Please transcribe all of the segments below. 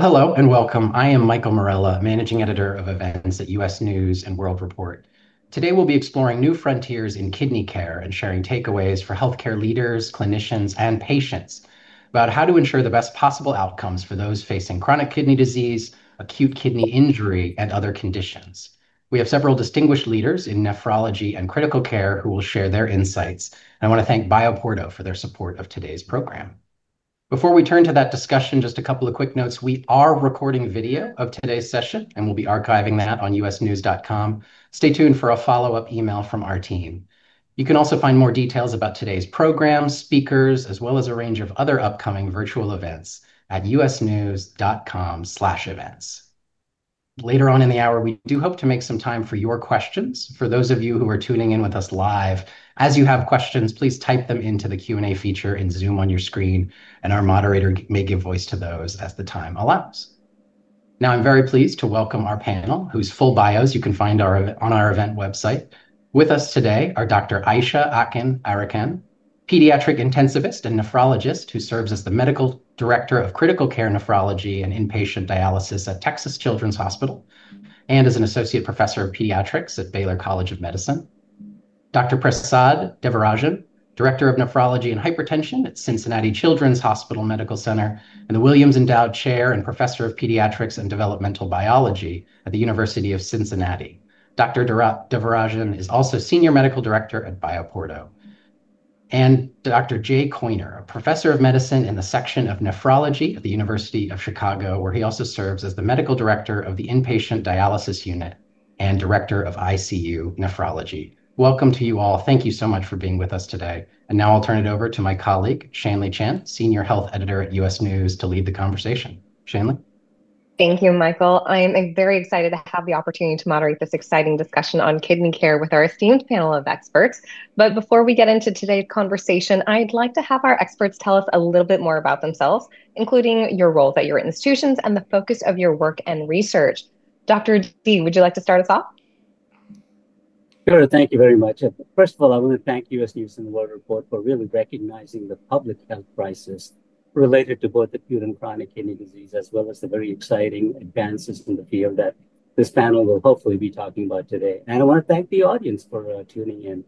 Hello and welcome. I am Michael Morella, Managing Editor of Events at U.S. News & World Report. Today, we'll be exploring new frontiers in kidney care and sharing takeaways for healthcare leaders, clinicians, and patients about how to ensure the best possible outcomes for those facing chronic kidney disease, acute kidney injury, and other conditions. We have several distinguished leaders in nephrology and critical care who will share their insights. I want to thank BioPorto for their support of today's program. Before we turn to that discussion, just a couple of quick notes. We are recording video of today's session, and we'll be archiving that on usnews.com. Stay tuned for a follow-up email from our team. You can also find more details about today's program, speakers, as well as a range of other upcoming virtual events at usnews.com/events. Later on in the hour, we do hope to make some time for your questions. For those of you who are tuning in with us live, as you have questions, please type them into the Q&A feature in Zoom on your screen, and our moderator may give voice to those as time allows. Now, I'm very pleased to welcome our panel, whose full bios you can find on our event website. With us today are Dr. Ayse Akcan Arikan, pediatric intensivist and nephrologist who serves as the Medical Director of Critical Care Nephrology and Inpatient Dialysis at Texas Children's Hospital, and is an Associate Professor of Pediatrics at Baylor College of Medicine. Dr. Prasad Devarajan, Director of Nephrology and Hypertension at Cincinnati Children's Hospital Medical Center, and the Williams Endowed Chair and Professor of Pediatrics and Developmental Biology at the University of Cincinnati. Dr. Devarajan is also Senior Medical Director at BioPorto. Dr. Jay Koyner, a Professor of Medicine in the Section of Nephrology at the University of Chicago, also serves as the Medical Director of the Inpatient Dialysis Unit and Director of ICU Nephrology. Welcome to you all. Thank you so much for being with us today. Now I'll turn it over to my colleague, Shanley Chen, Senior Health Editor at U.S. News, to lead the conversation. Shanley. Thank you, Michael. I am very excited to have the opportunity to moderate this exciting discussion on kidney care with our esteemed panel of experts. Before we get into today's conversation, I'd like to have our experts tell us a little bit more about themselves, including your role at your institutions and the focus of your work and research. Dr. D, would you like to start us off? Sure. Thank you very much. First of all, I want to thank U.S. News & World Report for really recognizing the public health crisis related to both acute and chronic kidney disease, as well as the very exciting advances in the field that this panel will hopefully be talking about today. I want to thank the audience for tuning in.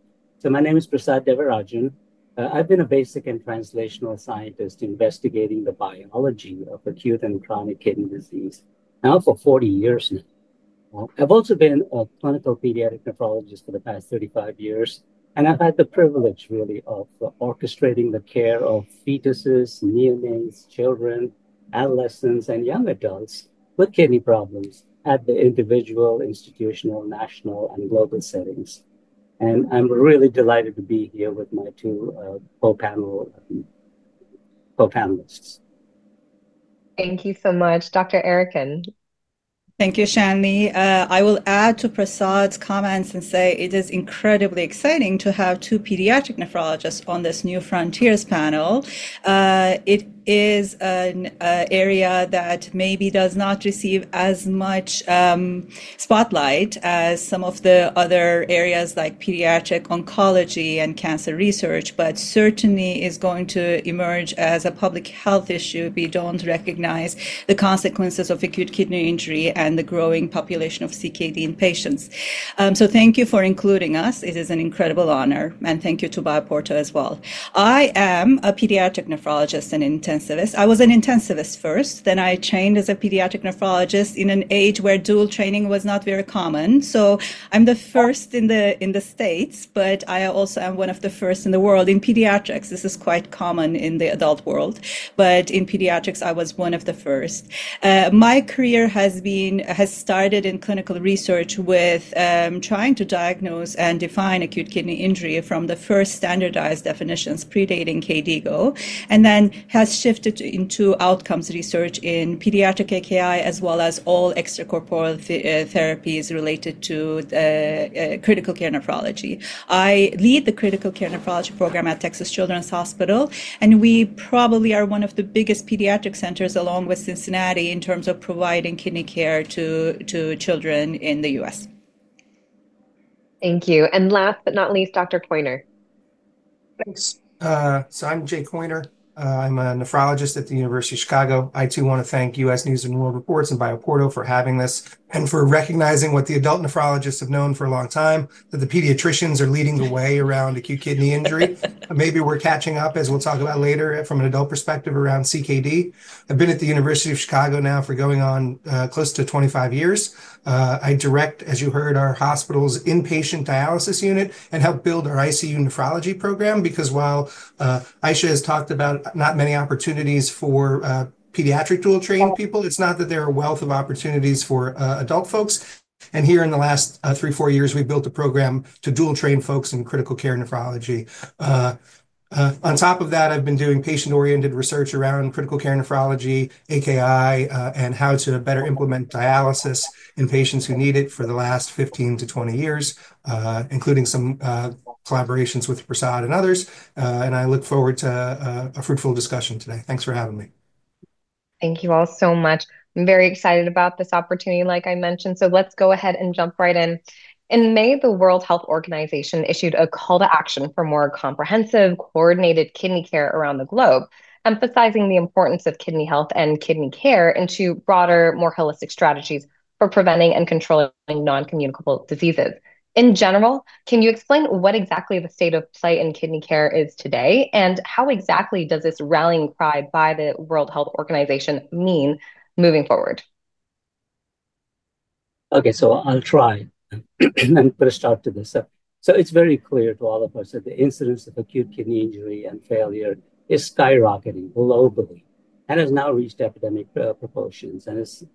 My name is Prasad Devarajan. I've been a basic and translational scientist investigating the biology of acute and chronic kidney disease for 40 years now. I've also been a clinical pediatric nephrologist for the past 35 years, and I've had the privilege, really, of orchestrating the care of fetuses, neonates, children, adolescents, and young adults with kidney problems at the individual, institutional, national, and global settings. I'm really delighted to be here with my two co-panelists. Thank you so much, Dr. Arikan. Thank you, Shanley. I will add to Prasad's comments and say it is incredibly exciting to have two pediatric nephrologists on this New Frontiers panel. It is an area that maybe does not receive as much spotlight as some of the other areas like pediatric oncology and cancer research, but certainly is going to emerge as a public health issue if we don't recognize the consequences of acute kidney injury and the growing population of CKD in patients. Thank you for including us. It is an incredible honor. Thank you to BioPorto as well. I am a pediatric nephrologist and intensivist. I was an intensivist first, then I trained as a pediatric nephrologist in an age where dual training was not very common. I'm the first in the States, but I also am one of the first in the world in pediatrics. This is quite common in the adult world. In pediatrics, I was one of the first. My career has started in clinical research with trying to diagnose and define acute kidney injury from the first standardized definitions predating KDIGO, and then has shifted into outcomes research in pediatric AKI, as well as all extracorporeal therapies related to critical care nephrology. I lead the Critical Care Nephrology Program at Texas Children's Hospital, and we probably are one of the biggest pediatric centers along with Cincinnati in terms of providing kidney care to children in the U.S. Thank you. Last but not least, Dr. Koyner. I'm Jay Koyner. I'm a nephrologist at the University of Chicago. I too want to thank U.S. News & World Report and BioPorto for having this and for recognizing what the adult nephrologists have known for a long time, that the pediatricians are leading the way around acute kidney injury. Maybe we're catching up, as we'll talk about later, from an adult perspective around CKD. I've been at the University of Chicago now for going on close to 25 years. I direct, as you heard, our hospital's inpatient dialysis unit and help build our ICU nephrology program because while Ayse has talked about not many opportunities for pediatric dual training people, it's not that there are a wealth of opportunities for adult folks. Here in the last three or four years, we've built a program to dual train folks in critical care nephrology. On top of that, I've been doing patient-oriented research around critical care nephrology, AKI, and how to better implement dialysis in patients who need it for the last 15-20 years, including some collaborations with Prasad and others. I look forward to a fruitful discussion today. Thanks for having me. Thank you all so much. I'm very excited about this opportunity, like I mentioned. Let's go ahead and jump right in. In May, the World Health Organization issued a call to action for more comprehensive, coordinated kidney care around the globe, emphasizing the importance of kidney health and kidney care into broader, more holistic strategies for preventing and controlling non-communicable diseases. In general, can you explain what exactly the state of play in kidney care is today and how exactly does this rallying cry by the World Health Organization mean moving forward? OK, I'll try and put a start to this. It's very clear to all of us that the incidence of acute kidney injury and failure is skyrocketing globally and has now reached epidemic proportions.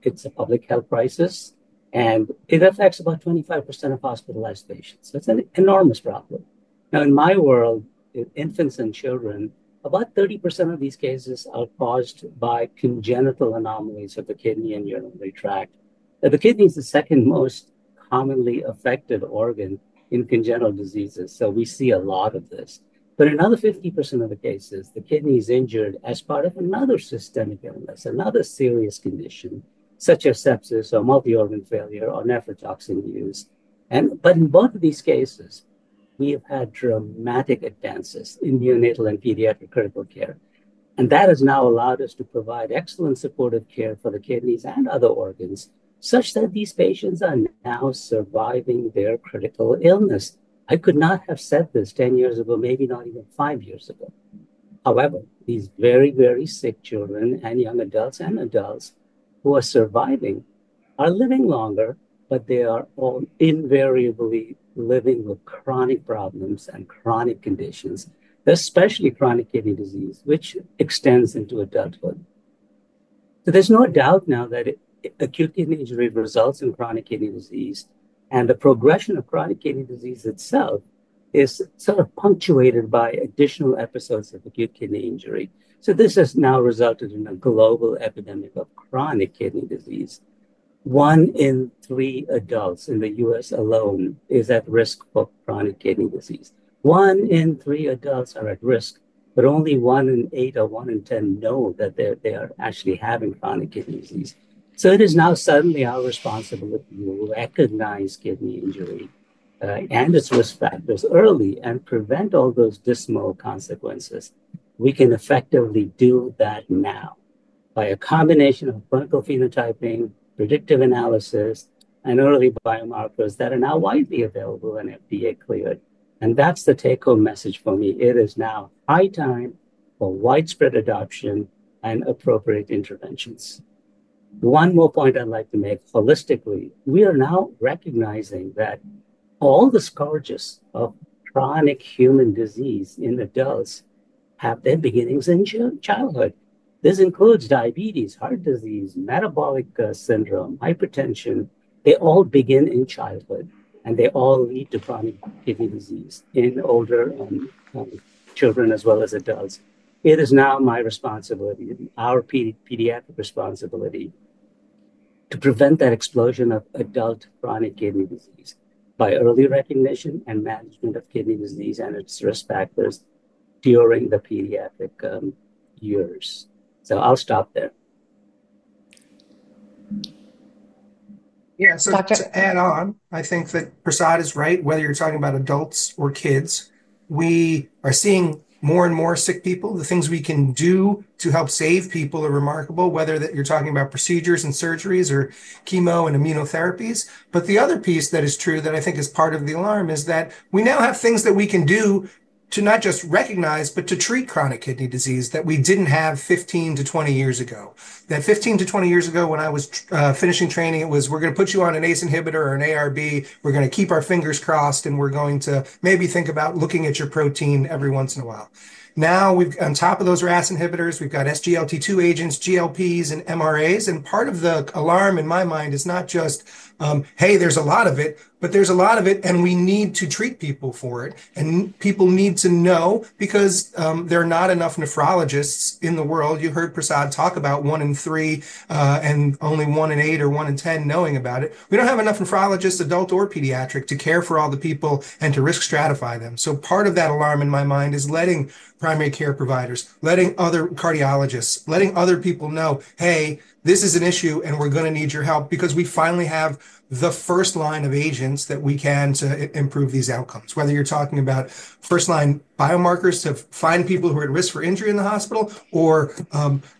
It's a public health crisis. It affects about 25% of hospitalized patients. It's an enormous problem. In my world, infants and children, about 30% of these cases are caused by congenital anomalies of the kidney and urinary tract. The kidney is the second most commonly affected organ in congenital diseases. We see a lot of this. In another 50% of the cases, the kidney is injured as part of another systemic illness, another serious condition, such as sepsis or multi-organ failure or nephrotoxin use. In both of these cases, we have had dramatic advances in neonatal and pediatric critical care. That has now allowed us to provide excellent supportive care for the kidneys and other organs, such that these patients are now surviving their critical illness. I could not have said this 10 years ago, maybe not even five years ago. However, these very, very sick children and young adults and adults who are surviving are living longer, but they are all invariably living with chronic problems and chronic conditions, especially chronic kidney disease, which extends into adulthood. There's no doubt now that acute kidney injury results in chronic kidney disease. The progression of chronic kidney disease itself is sort of punctuated by additional episodes of acute kidney injury. This has now resulted in a global epidemic of chronic kidney disease. One in three adults in the U.S. alone is at risk for chronic kidney disease. One in three adults are at risk, but only one in eight or one in 10 know that they are actually having chronic kidney disease. It is now suddenly our responsibility to recognize kidney injury and its risk factors early and prevent all those dismal consequences. We can effectively do that now by a combination of clinical phenotyping, predictive analysis, and early biomarkers that are now widely available and FDA cleared. That's the take-home message for me. It is now high time for widespread adoption and appropriate interventions. One more point I'd like to make holistically, we are now recognizing that all the scourges of chronic human disease in adults have their beginnings in childhood. This includes diabetes, heart disease, metabolic syndrome, hypertension. They all begin in childhood, and they all lead to chronic kidney disease in older children as well as adults. It is now my responsibility, our pediatric responsibility, to prevent that explosion of adult chronic kidney disease by early recognition and management of kidney disease and its risk factors during the pediatric years. I'll stop there. I'll just add on, I think that Prasad is right, whether you're talking about adults or kids. We are seeing more and more sick people. The things we can do to help save people are remarkable, whether you're talking about procedures and surgeries or chemo and immunotherapies. The other piece that is true that I think is part of the alarm is that we now have things that we can do to not just recognize, but to treat chronic kidney disease that we didn't have 15-20 years ago. That 15-20 years ago, when I was finishing training, it was, we're going to put you on an ACE inhibitor or an ARB. We're going to keep our fingers crossed, and we're going to maybe think about looking at your protein every once in a while. Now, on top of those RAS inhibitors, we've got SGLT2 agents, GLPs, and MRAs. Part of the alarm in my mind is not just, hey, there's a lot of it, but there's a lot of it, and we need to treat people for it. People need to know because there are not enough nephrologists in the world. You heard Prasad talk about one in three and only one in eight or one in 10 knowing about it. We don't have enough nephrologists, adult or pediatric, to care for all the people and to risk stratify them. Part of that alarm in my mind is letting primary care providers, letting other cardiologists, letting other people know, hey, this is an issue, and we're going to need your help because we finally have the first line of agents that we can to improve these outcomes. Whether you're talking about first-line biomarkers to find people who are at risk for injury in the hospital or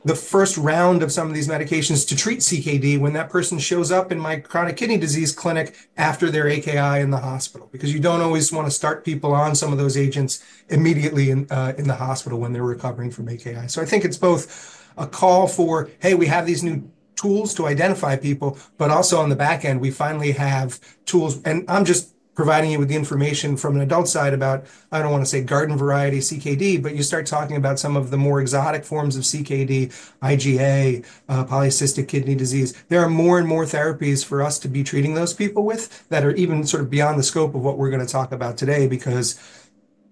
the first round of some of these medications to treat CKD when that person shows up in my chronic kidney disease clinic after their AKI in the hospital. You don't always want to start people on some of those agents immediately in the hospital when they're recovering from AKI. I think it's both a call for, hey, we have these new tools to identify people, but also on the back end, we finally have tools. I'm just providing you with the information from an adult side about, I don't want to say garden variety CKD, but you start talking about some of the more exotic forms of CKD, IgA, polycystic kidney disease. There are more and more therapies for us to be treating those people with that are even sort of beyond the scope of what we're going to talk about today because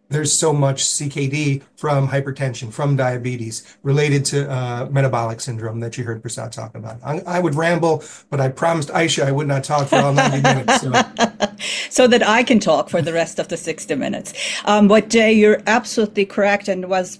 there's so much CKD from hypertension, from diabetes, related to metabolic syndrome that you heard Prasad talk about. I would ramble, but I promised Ayse I would not talk for how long we do it. I can talk for the rest of the 60 minutes. Jay, you're absolutely correct.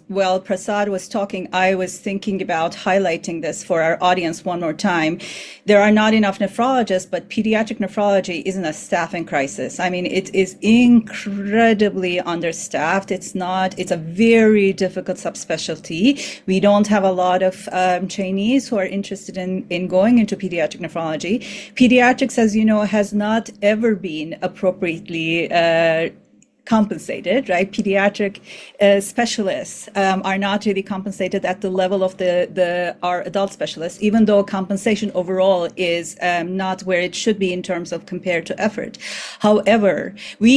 While Prasad was talking, I was thinking about highlighting this for our audience one more time. There are not enough nephrologists, but pediatric nephrology is in a staffing crisis. It is incredibly understaffed. It's a very difficult subspecialty. We don't have a lot of trainees who are interested in going into pediatric nephrology. Pediatrics, as you know, have not ever been appropriately compensated. Pediatric specialists are not really compensated at the level of our adult specialists, even though compensation overall is not where it should be in terms of compared to effort. However, we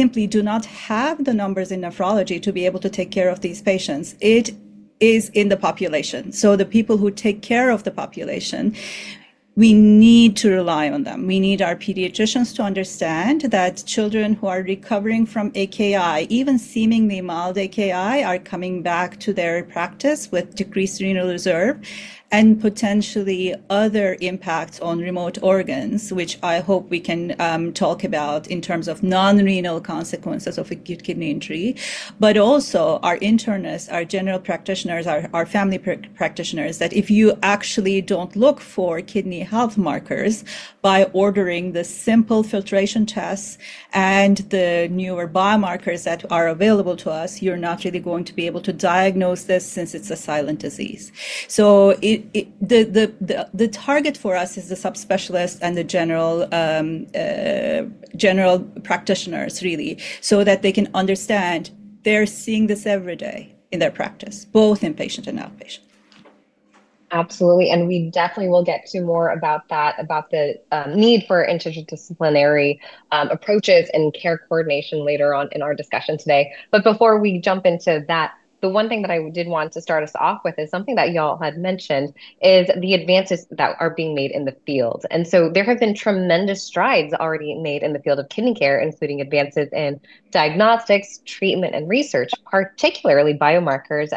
simply do not have the numbers in nephrology to be able to take care of these patients. It is in the population. The people who take care of the population, we need to rely on them. We need our pediatricians to understand that children who are recovering from AKI, even seemingly mild AKI, are coming back to their practice with decreased renal reserve and potentially other impacts on remote organs, which I hope we can talk about in terms of non-renal consequences of acute kidney injury. Also, our internists, our general practitioners, our family practitioners, if you actually don't look for kidney health markers by ordering the simple filtration tests and the newer biomarkers that are available to us, you're not really going to be able to diagnose this since it's a silent disease. The target for us is the subspecialists and the general practitioners, really, so that they can understand they're seeing this every day in their practice, both inpatient and outpatient. Absolutely. We definitely will get to more about that, about the need for interdisciplinary approaches and care coordination later on in our discussion today. Before we jump into that, the one thing that I did want to start us off with is something that you all had mentioned, the advances that are being made in the field. There have been tremendous strides already made in the field of kidney care, including advances in diagnostics, treatment, and research, particularly biomarkers,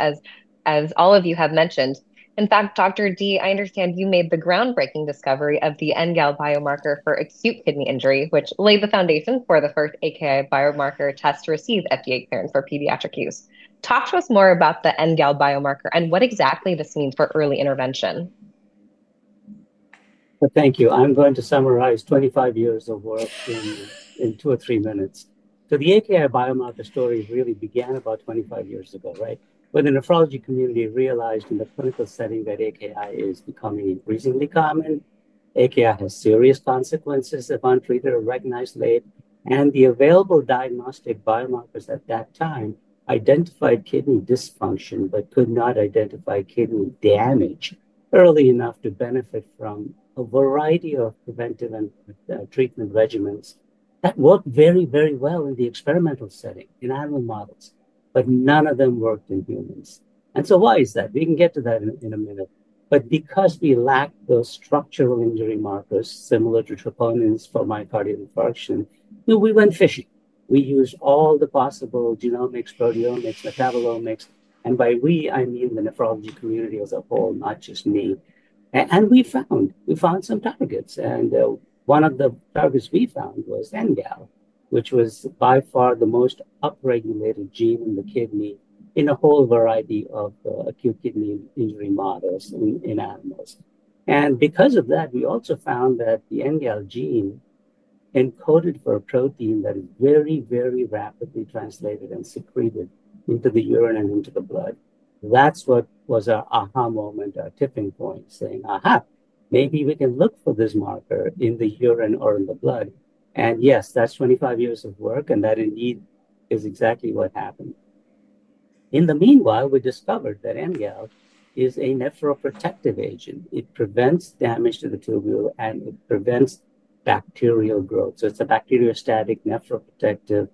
as all of you have mentioned. In fact, Dr. D, I understand you made the groundbreaking discovery of the NGAL biomarker for acute kidney injury, which laid the foundation for the first AKI biomarker test to receive FDA clearance for pediatric use. Talk to us more about the NGAL biomarker and what exactly this means for early intervention. Thank you. I'm going to summarize 25 years of work in two or three minutes. The AKI biomarker story really began about 25 years ago, when the nephrology community realized in the clinical setting that AKI is becoming reasonably common. AKI has serious consequences upon treatment if recognized late. The available diagnostic biomarkers at that time identified kidney dysfunction, but could not identify kidney damage early enough to benefit from a variety of preventive and treatment regimens that worked very, very well in the experimental setting in animal models, but none of them worked in humans. Why is that? We can get to that in a minute. Because we lacked those structural injury markers similar to troponins for myocardial infarction, we went fishing. We used all the possible genomics, proteomics, metabolomics, and by we, I mean the nephrology community as a whole, not just me. We found some targets. One of the targets we found was NGAL, which was by far the most upregulated gene in the kidney in a whole variety of acute kidney injury models in animals. Because of that, we also found that the NGAL gene encoded for a protein that is very, very rapidly translated and secreted into the urine and into the blood. That was our aha moment, our tipping point, saying, aha, maybe we can look for this marker in the urine or in the blood. Yes, that's 25 years of work, and that indeed is exactly what happened. In the meanwhile, we discovered that NGAL is a nephroprotective agent. It prevents damage to the tubule, and it prevents bacterial growth. It's a bacteriostatic nephroprotective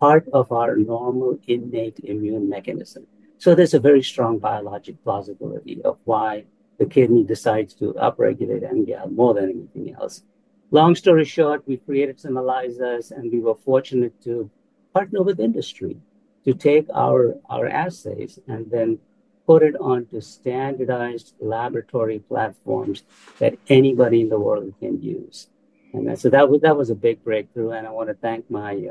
part of our normal innate immune mechanism. There's a very strong biologic plausibility of why the kidney decides to upregulate NGAL more than anything else. Long story short, we created some ELISAs, and we were fortunate to partner with industry to take our assays and then put it onto standardized laboratory platforms that anybody in the world can use. That was a big breakthrough. I want to thank my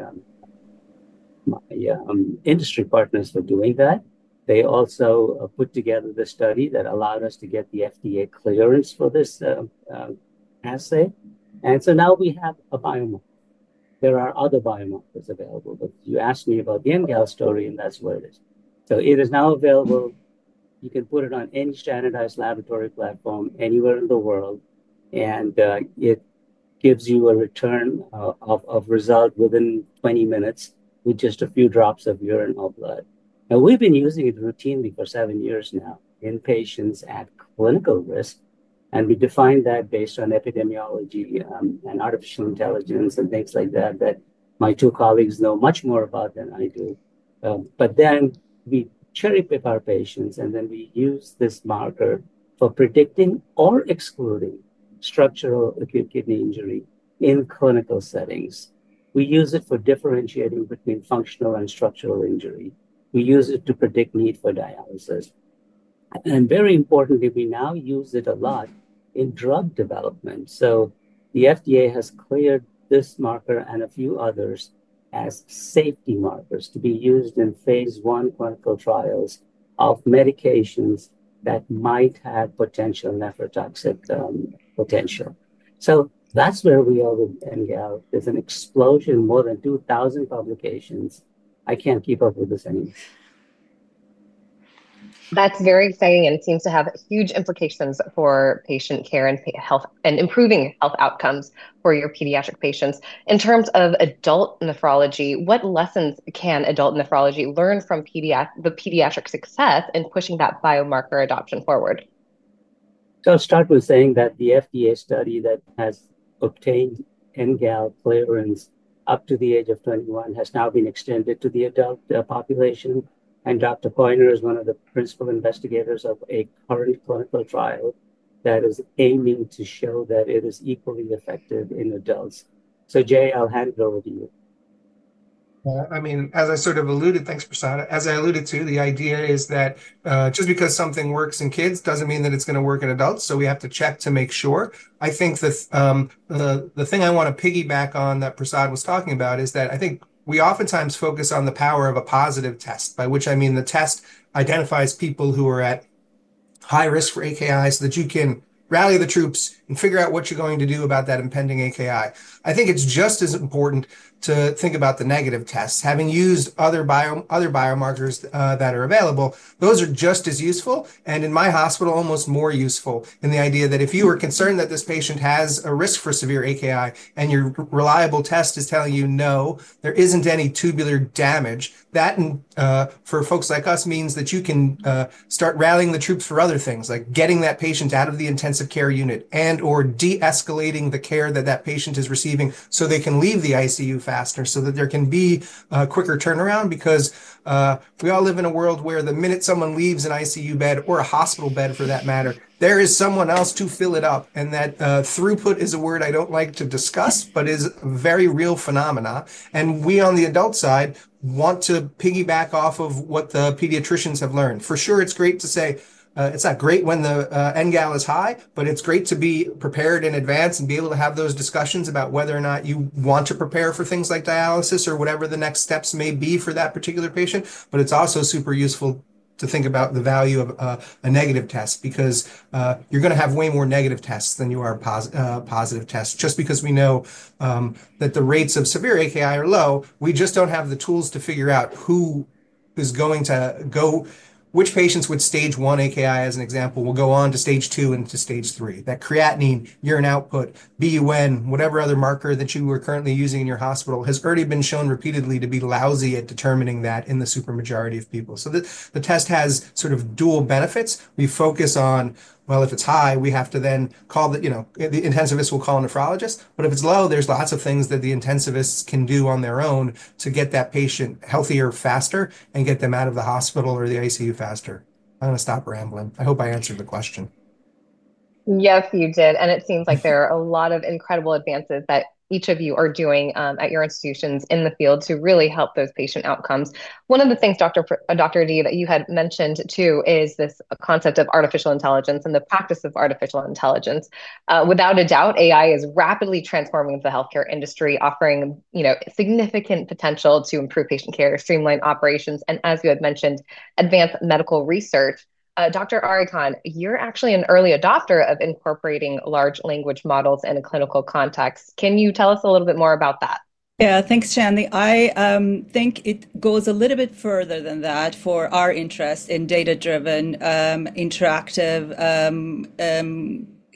industry partners for doing that. They also put together the study that allowed us to get the FDA clearance for this assay. Now we have a biomarker. There are other biomarkers available. You asked me about the NGAL story, and that's what it is. It is now available. You can put it on any standardized laboratory platform anywhere in the world. It gives you a return of result within 20 minutes with just a few drops of urine or blood. We've been using it routinely for seven years now in patients at clinical risk. We define that based on epidemiology and artificial intelligence and things like that that my two colleagues know much more about than I do. We cherry-pick our patients, and then we use this marker for predicting or excluding structural acute kidney injury in clinical settings. We use it for differentiating between functional and structural injury. We use it to predict need for dialysis. Very importantly, we now use it a lot in drug development. The FDA has cleared this marker and a few others as safety markers to be used in phase I clinical trials of medications that might have potential nephrotoxic potential. That is where we are with NGAL. It's an explosion in more than 2,000 publications. I can't keep up with this anyway. That's very exciting and seems to have huge implications for patient care and improving health outcomes for your pediatric patients. In terms of adult nephrology, what lessons can adult nephrology learn from the pediatric success in pushing that biomarker adoption forward? The FDA study that has obtained NGAL clearance up to the age of 21 has now been extended to the adult population. Dr. Koyner is one of the principal investigators of a current clinical trial that is aiming to show that it is equally effective in adults. Jay, I'll hand it over to you. I mean, as I sort of alluded, thanks, Prasad. As I alluded to, the idea is that just because something works in kids doesn't mean that it's going to work in adults. We have to check to make sure. I think the thing I want to piggyback on that Prasad was talking about is that I think we oftentimes focus on the power of a positive test, by which I mean the test identifies people who are at high risk for AKI so that you can rally the troops and figure out what you're going to do about that impending AKI. I think it's just as important to think about the negative tests. Having used other biomarkers that are available, those are just as useful, and in my hospital, almost more useful in the idea that if you were concerned that this patient has a risk for severe AKI and your reliable test is telling you no, there isn't any tubular damage, that for folks like us means that you can start rallying the troops for other things, like getting that patient out of the intensive care unit and/or de-escalating the care that that patient is receiving so they can leave the ICU faster so that there can be a quicker turnaround because we all live in a world where the minute someone leaves an ICU bed or a hospital bed, for that matter, there is someone else to fill it up. That throughput is a word I don't like to discuss, but is a very real phenomenon. We on the adult side want to piggyback off of what the pediatricians have learned. For sure, it's great to say it's not great when the NGAL is high, but it's great to be prepared in advance and be able to have those discussions about whether or not you want to prepare for things like dialysis or whatever the next steps may be for that particular patient. It's also super useful to think about the value of a negative test because you're going to have way more negative tests than you are positive tests. Just because we know that the rates of severe AKI are low, we just don't have the tools to figure out who is going to go, which patients with Stage 1 AKI, as an example, will go on to Stage 2 and to stage 3. That creatinine, urine output, BUN, whatever other marker that you are currently using in your hospital has already been shown repeatedly to be lousy at determining that in the supermajority of people. The test has sort of dual benefits. We focus on, well, if it's high, we have to then call the intensivist will call a nephrologist. If it's low, there's lots of things that the intensivists can do on their own to get that patient healthier faster and get them out of the hospital or the ICU faster. I hope I answered the question. Yes, you did. It seems like there are a lot of incredible advances that each of you are doing at your institutions in the field to really help those patient outcomes. One of the things, Dr. D, that you had mentioned too is this concept of artificial intelligence and the practice of artificial intelligence. Without a doubt, AI is rapidly transforming the healthcare industry, offering significant potential to improve patient care, streamline operations, and as you had mentioned, advance medical research. Dr. Arikan, you're actually an early adopter of incorporating large language models in a clinical context. Can you tell us a little bit more about that? Yeah, thanks, Shanley. I think it goes a little bit further than that for our interest in data-driven, interactive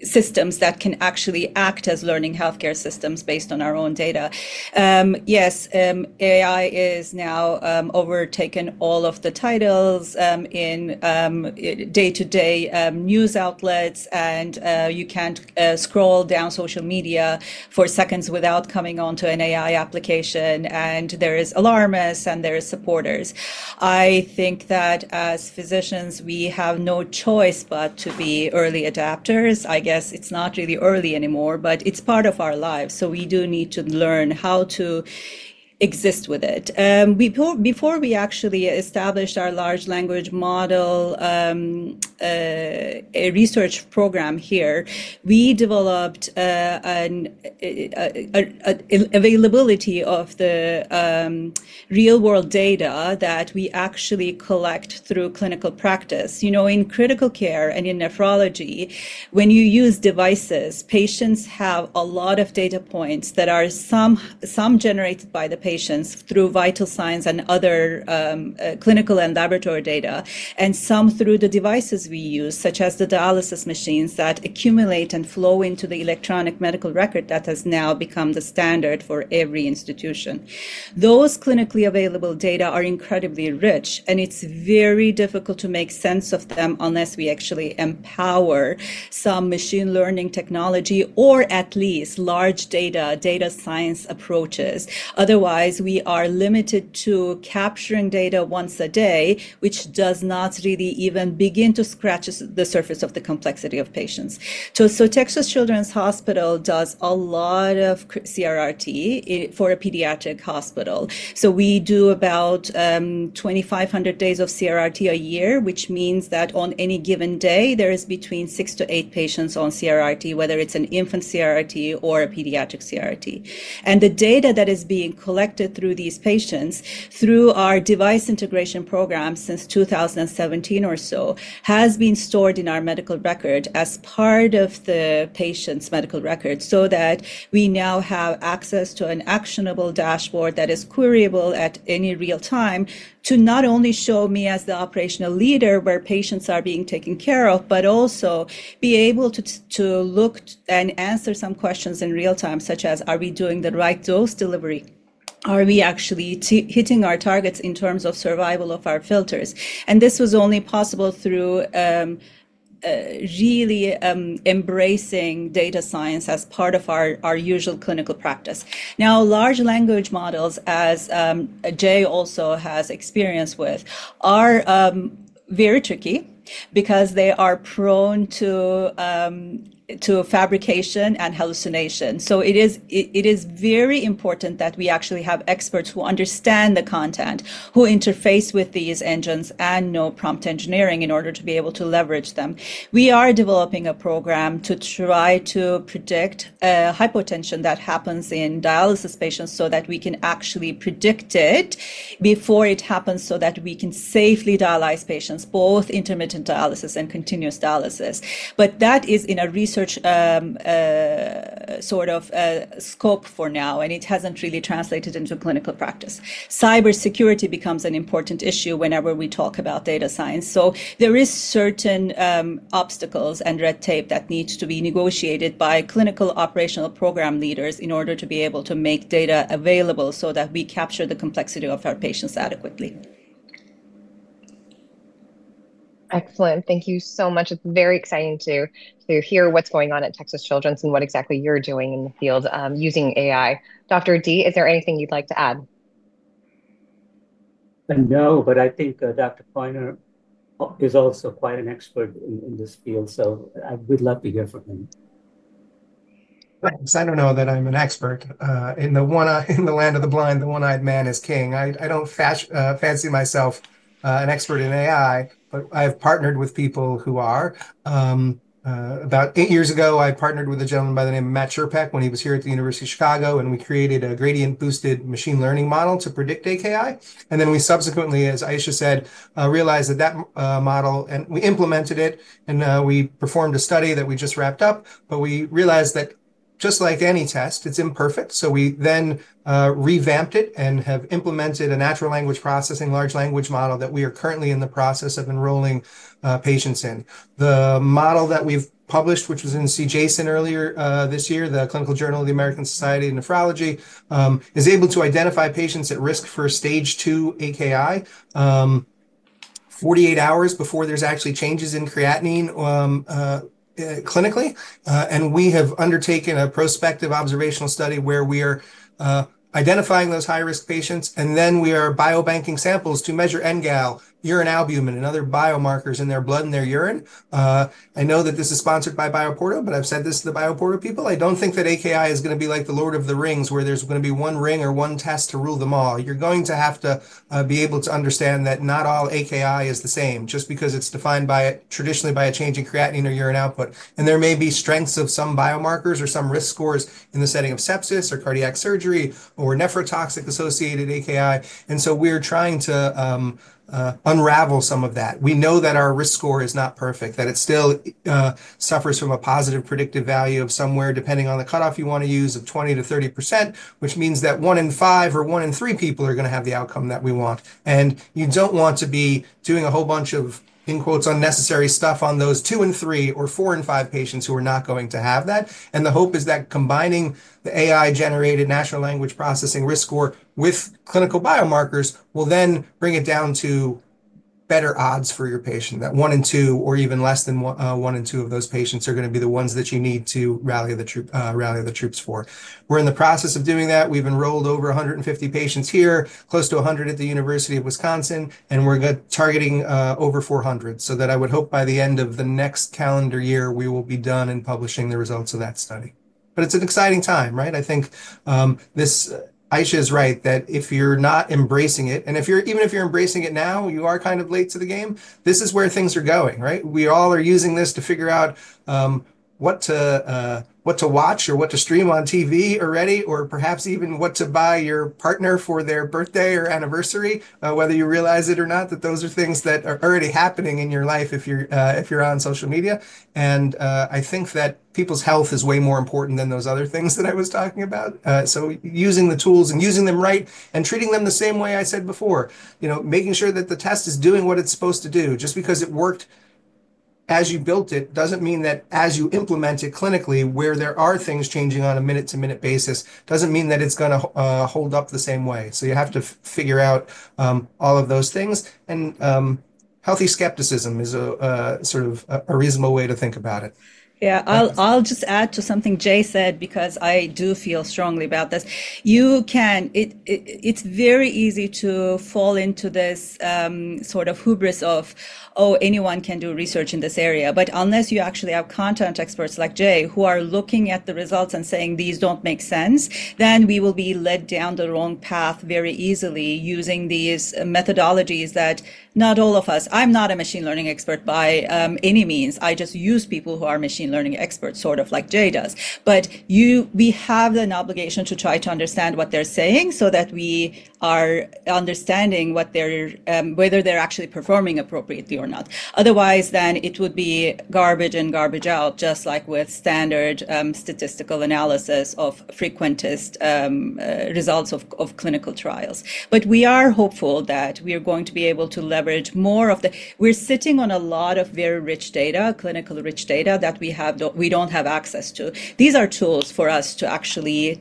systems that can actually act as learning healthcare systems based on our own data. Yes, AI is now overtaken all of the titles in day-to-day news outlets, and you can't scroll down social media for seconds without coming onto an AI application. There are alarmists and there are supporters. I think that as physicians, we have no choice but to be early adopters. I guess it's not really early anymore, but it's part of our lives. We do need to learn how to exist with it. Before we actually established our large language model research program here, we developed an availability of the real-world data that we actually collect through clinical practice. You know, in critical care and in nephrology, when you use devices, patients have a lot of data points that are some generated by the patients through vital signs and other clinical and laboratory data, and some through the devices we use, such as the dialysis machines that accumulate and flow into the electronic medical record that has now become the standard for every institution. Those clinically available data are incredibly rich, and it's very difficult to make sense of them unless we actually empower some machine learning technology or at least large data data science approaches. Otherwise, we are limited to capturing data once a day, which does not really even begin to scratch the surface of the complexity of patients. Texas Children's Hospital does a lot of CRRT for a pediatric hospital. We do about 2,500 days of CRRT a year, which means that on any given day, there is between six to eight patients on CRRT, whether it's an infant CRRT or a pediatric CRRT. The data that is being collected through these patients through our device integration program since 2017 or so has been stored in our medical record as part of the patient's medical record so that we now have access to an actionable dashboard that is queryable at any real time to not only show me as the operational leader where patients are being taken care of, but also be able to look and answer some questions in real time, such as, are we doing the right dose delivery? Are we actually hitting our targets in terms of survival of our filters? This was only possible through really embracing data science as part of our usual clinical practice. Now, large language models, as Jay also has experience with, are very tricky because they are prone to fabrication and hallucination. It is very important that we actually have experts who understand the content, who interface with these engines, and know prompt engineering in order to be able to leverage them. We are developing a program to try to predict hypotension that happens in dialysis patients so that we can actually predict it before it happens so that we can safely dialyze patients, both intermittent dialysis and continuous dialysis. That is in a research sort of scope for now, and it hasn't really translated into clinical practice. Cybersecurity becomes an important issue whenever we talk about data science. There are certain obstacles and red tape that need to be negotiated by clinical operational program leaders in order to be able to make data available so that we capture the complexity of our patients adequately. Excellent. Thank you so much. It's very exciting to hear what's going on at Texas Children's and what exactly you're doing in the field using AI. Dr. D, is there anything you'd like to add? No, I think Dr. Koyner is also quite an expert in this field. I would love to hear from him. I don't know that I'm an expert. In the land of the blind, the one-eyed man is king. I don't fancy myself an expert in AI, but I've partnered with people who are. About eight years ago, I partnered with a gentleman by the name of Matt Sharpeck when he was here at the University of Chicago, and we created a gradient-boosted machine learning model to predict AKI. We subsequently, as Ayse said, realized that that model, and we implemented it, and we performed a study that we just wrapped up. We realized that just like any test, it's imperfect. We then revamped it and have implemented a natural language processing large language model that we are currently in the process of enrolling patients in. The model that we've published, which was in CJSN earlier this year, the Clinical Journal of the American Society of Nephrology, is able to identify patients at risk for Stage 2 AKI 48 hours before there's actually changes in creatinine clinically. We have undertaken a prospective observational study where we are identifying those high-risk patients, and then we are biobanking samples to measure NGAL, urine albumin, and other biomarkers in their blood and their urine. I know that this is sponsored by BioPorto, but I've said this to the BioPorto people. I don't think that AKI is going to be like the Lord of the Rings, where there's going to be one ring or one test to rule them all. You're going to have to be able to understand that not all AKI is the same just because it's defined traditionally by a change in creatinine or urine output. There may be strengths of some biomarkers or some risk scores in the setting of sepsis or cardiac surgery or nephrotoxic-associated AKI. We're trying to unravel some of that. We know that our risk score is not perfect, that it still suffers from a positive predictive value of somewhere, depending on the cutoff you want to use, of 20%-30%, which means that one in five or one in three people are going to have the outcome that we want. You don't want to be doing a whole bunch of, in quotes, unnecessary stuff on those two in three or four in five patients who are not going to have that. The hope is that combining the AI-generated natural language processing risk score with clinical biomarkers will then bring it down to better odds for your patient that one in two or even less than one in two of those patients are going to be the ones that you need to rally the troops for. We're in the process of doing that. We've enrolled over 150 patients here, close to 100 at the University of Wisconsin, and we're targeting over 400. I would hope by the end of the next calendar year, we will be done in publishing the results of that study. It's an exciting time, right? I think Ayse is right that if you're not embracing it, and even if you're embracing it now, you are kind of late to the game. This is where things are going, right? We all are using this to figure out what to watch or what to stream on TV already, or perhaps even what to buy your partner for their birthday or anniversary, whether you realize it or not, that those are things that are already happening in your life if you're on social media. I think that people's health is way more important than those other things that I was talking about. Using the tools and using them right and treating them the same way I said before, making sure that the test is doing what it's supposed to do. Just because it worked as you built it doesn't mean that as you implement it clinically, where there are things changing on a minute-to-minute basis, doesn't mean that it's going to hold up the same way. You have to figure out all of those things. Healthy skepticism is a sort of a reasonable way to think about it. Yeah, I'll just add to something Jay said because I do feel strongly about this. It's very easy to fall into this sort of hubris of, oh, anyone can do research in this area. Unless you actually have content experts like Jay, who are looking at the results and saying, these don't make sense, we will be led down the wrong path very easily using these methodologies that not all of us, I'm not a machine learning expert by any means. I just use people who are machine learning experts, sort of like Jay does. We have an obligation to try to understand what they're saying so that we are understanding whether they're actually performing appropriately or not. Otherwise, it would be garbage in, garbage out, just like with standard statistical analysis of frequentist results of clinical trials. We are hopeful that we are going to be able to leverage more of the, we're sitting on a lot of very rich data, clinical rich data that we don't have access to. These are tools for us to actually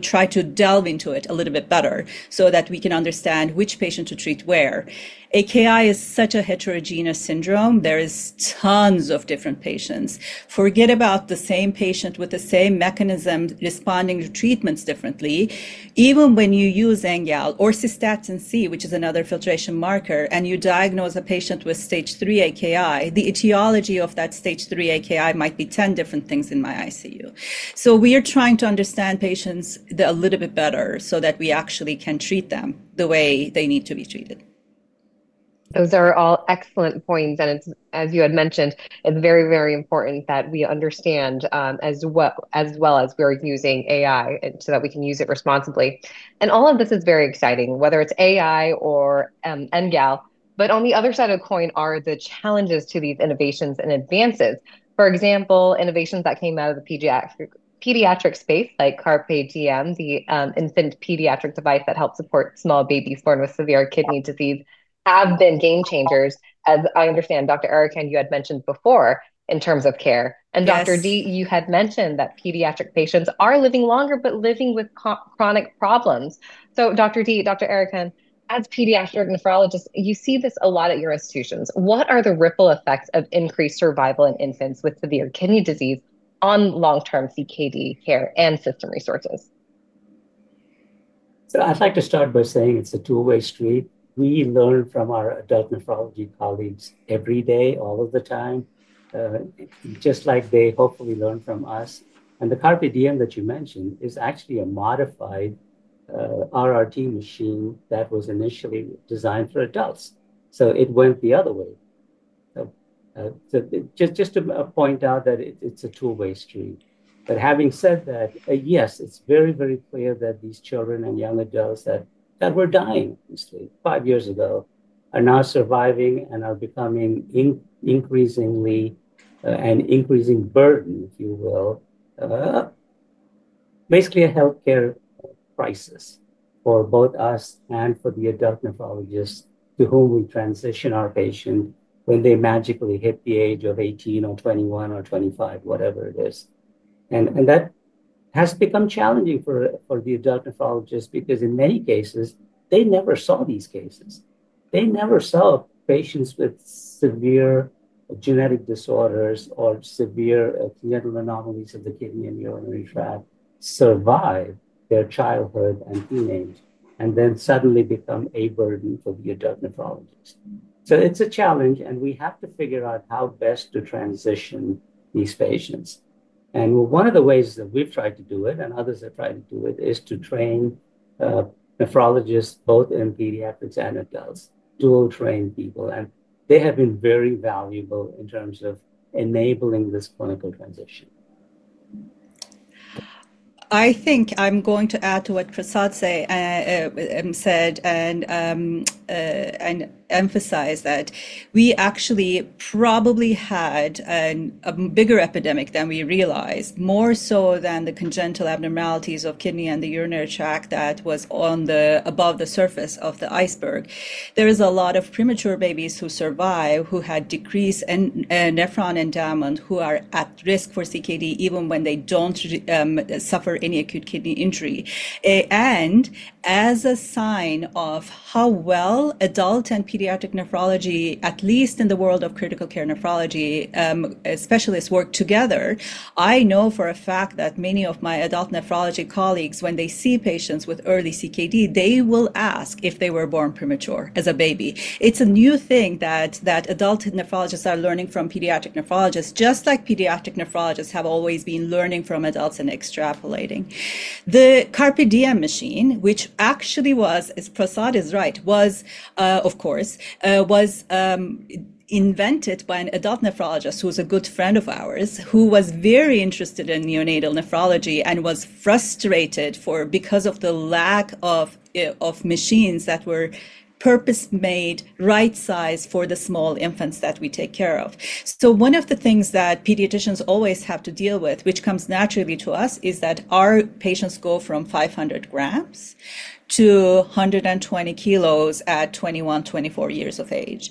try to delve into it a little bit better so that we can understand which patient to treat where. AKI is such a heterogeneous syndrome. There are tons of different patients. Forget about the same patient with the same mechanism responding to treatments differently. Even when you use NGAL or cystatin C, which is another filtration marker, and you diagnose a patient with Stage 3 AKI, the etiology of that Stage 3 AKI might be 10 different things in my ICU. We are trying to understand patients a little bit better so that we actually can treat them the way they need to be treated. Those are all excellent points. As you had mentioned, it's very, very important that we understand as well as we're using AI so that we can use it responsibly. All of this is very exciting, whether it's AI or NGAL. On the other side of the coin are the challenges to these innovations and advances. For example, innovations that came out of the pediatric space, like CARPEDIEM, the infant pediatric device that helps support small babies born with severe kidney disease, have been game changers, as I understand, Dr. Arikan, you had mentioned before, in terms of care. Dr. D, you had mentioned that pediatric patients are living longer, but living with chronic problems. Dr. D, Dr. Arikan, as pediatric nephrologists, you see this a lot at your institutions. What are the ripple effects of increased survival in infants with severe kidney disease on long-term CKD care and system resources? I'd like to start by saying it's a two-way street. We learn from our adult nephrology colleagues every day, all of the time, just like they hopefully learn from us. The CARPEDIEM that you mentioned is actually a modified RRT machine that was initially designed for adults. It went the other way. Just to point out that it's a two-way street. Having said that, yes, it's very, very clear that these children and young adults that were dying five years ago are now surviving and are becoming an increasing burden, if you will, basically a healthcare crisis for both us and for the adult nephrologists to whom we transition our patients when they magically hit the age of 18 or 21 or 25, whatever it is. That has become challenging for the adult nephrologists because in many cases, they never saw these cases. They never saw patients with severe genetic disorders or severe clinical anomalies of the kidney and urinary tract survive their childhood and teenage and then suddenly become a burden for the adult nephrologists. It's a challenge, and we have to figure out how best to transition these patients. One of the ways that we've tried to do it and others have tried to do it is to train nephrologists both in pediatrics and adults, dual-trained people. They have been very valuable in terms of enabling this clinical transition. I think I'm going to add to what Prasad said and emphasize that we actually probably had a bigger epidemic than we realized, more so than the congenital abnormalities of kidney and the urinary tract that was above the surface of the iceberg. There are a lot of premature babies who survive, who had decreased nephron endowment, who are at risk for CKD even when they don't suffer any acute kidney injury. As a sign of how well adult and pediatric nephrology, at least in the world of critical care nephrology, specialists work together, I know for a fact that many of my adult nephrology colleagues, when they see patients with early CKD, they will ask if they were born premature as a baby. It's a new thing that adult nephrologists are learning from pediatric nephrologists, just like pediatric nephrologists have always been learning from adults and extrapolating. The CARPEDIEM machine, which actually was, as Prasad is right, of course, was invented by an adult nephrologist who was a good friend of ours, who was very interested in neonatal nephrology and was frustrated because of the lack of machines that were purpose-made, right-sized for the small infants that we take care of. One of the things that pediatricians always have to deal with, which comes naturally to us, is that our patients go from 500 g to 120 kg at 21, 24 years of age.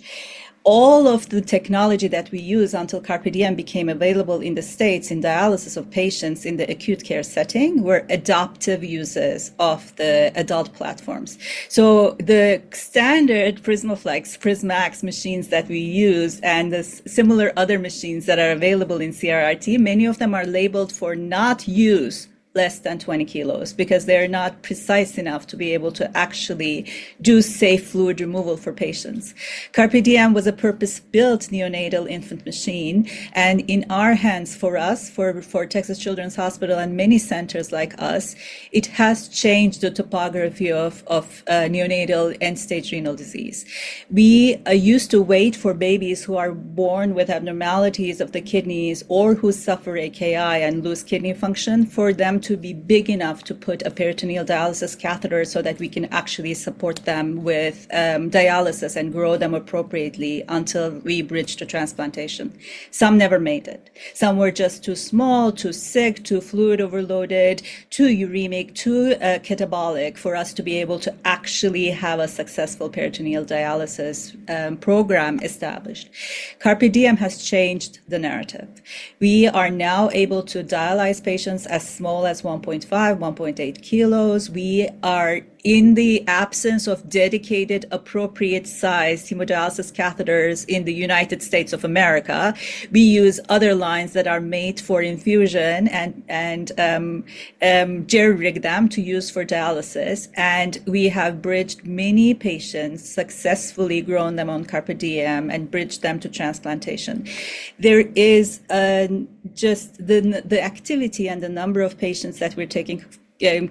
All of the technology that we used until CARPEDIEM became available in the U.S. in dialysis of patients in the acute care setting were adaptive uses of the adult platforms. The standard Prismaflex, PrisMax machines that we use, and the similar other machines that are available in CRRT, many of them are labeled for not use less than 20 kg because they're not precise enough to be able to actually do safe fluid removal for patients. CARPEDIEM was a purpose-built neonatal infant machine. In our hands, for us, for Texas Children's Hospital and many centers like us, it has changed the topography of neonatal end-stage renal disease. We used to wait for babies who are born with abnormalities of the kidneys or who suffer AKI and lose kidney function for them to be big enough to put a peritoneal dialysis catheter so that we can actually support them with dialysis and grow them appropriately until we bridge to transplantation. Some never made it. Some were just too small, too sick, too fluid overloaded, too uremic, too catabolic for us to be able to actually have a successful peritoneal dialysis program established. CARPEDIEM has changed the narrative. We are now able to dialyze patients as small as 1.5 kg, 1.8 kg. In the absence of dedicated appropriate-sized hemodialysis catheters in the U.S., we use other lines that are made for infusion and jerry-rig them to use for dialysis. We have bridged many patients, successfully grown them on CARPEDIEM, and bridged them to transplantation. The activity and the number of patients that we're taking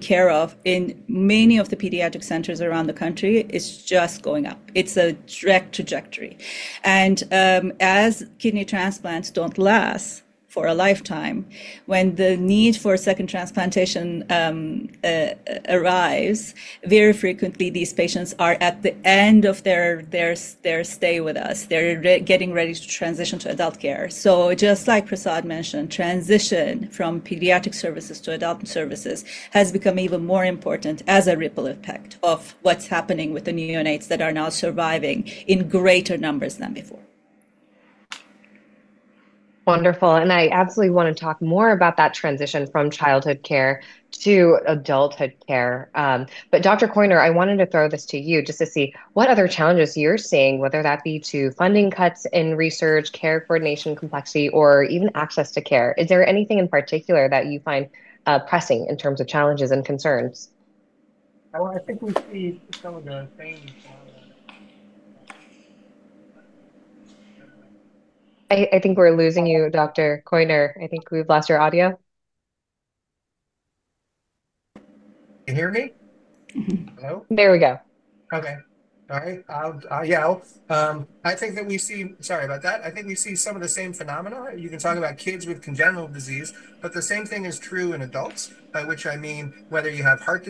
care of in many of the pediatric centers around the country is just going up. It's a direct trajectory. As kidney transplants don't last for a lifetime, when the need for a second transplantation arrives, very frequently, these patients are at the end of their stay with us. They're getting ready to transition to adult care. Just like Prasad mentioned, transition from pediatric services to adult services has become even more important as a ripple effect of what's happening with the neonates that are now surviving in greater numbers than before. Wonderful. I absolutely want to talk more about that transition from childhood care to adulthood care. Dr. Koyner, I wanted to throw this to you just to see what other challenges you're seeing, whether that be to funding cuts in research, care coordination complexity, or even access to care. Is there anything in particular that you find pressing in terms of challenges and concerns? I think we see some of the same. I think we're losing you, Dr. Koyner. I think we've lost your audio. Can you hear me? Mm-hmm. Hello? There we go. All right. I think that we see, sorry about that. I think we see some of the same phenomena. You can talk about kids with congenital disease, but the same thing is true in adults, which I mean whether you have heart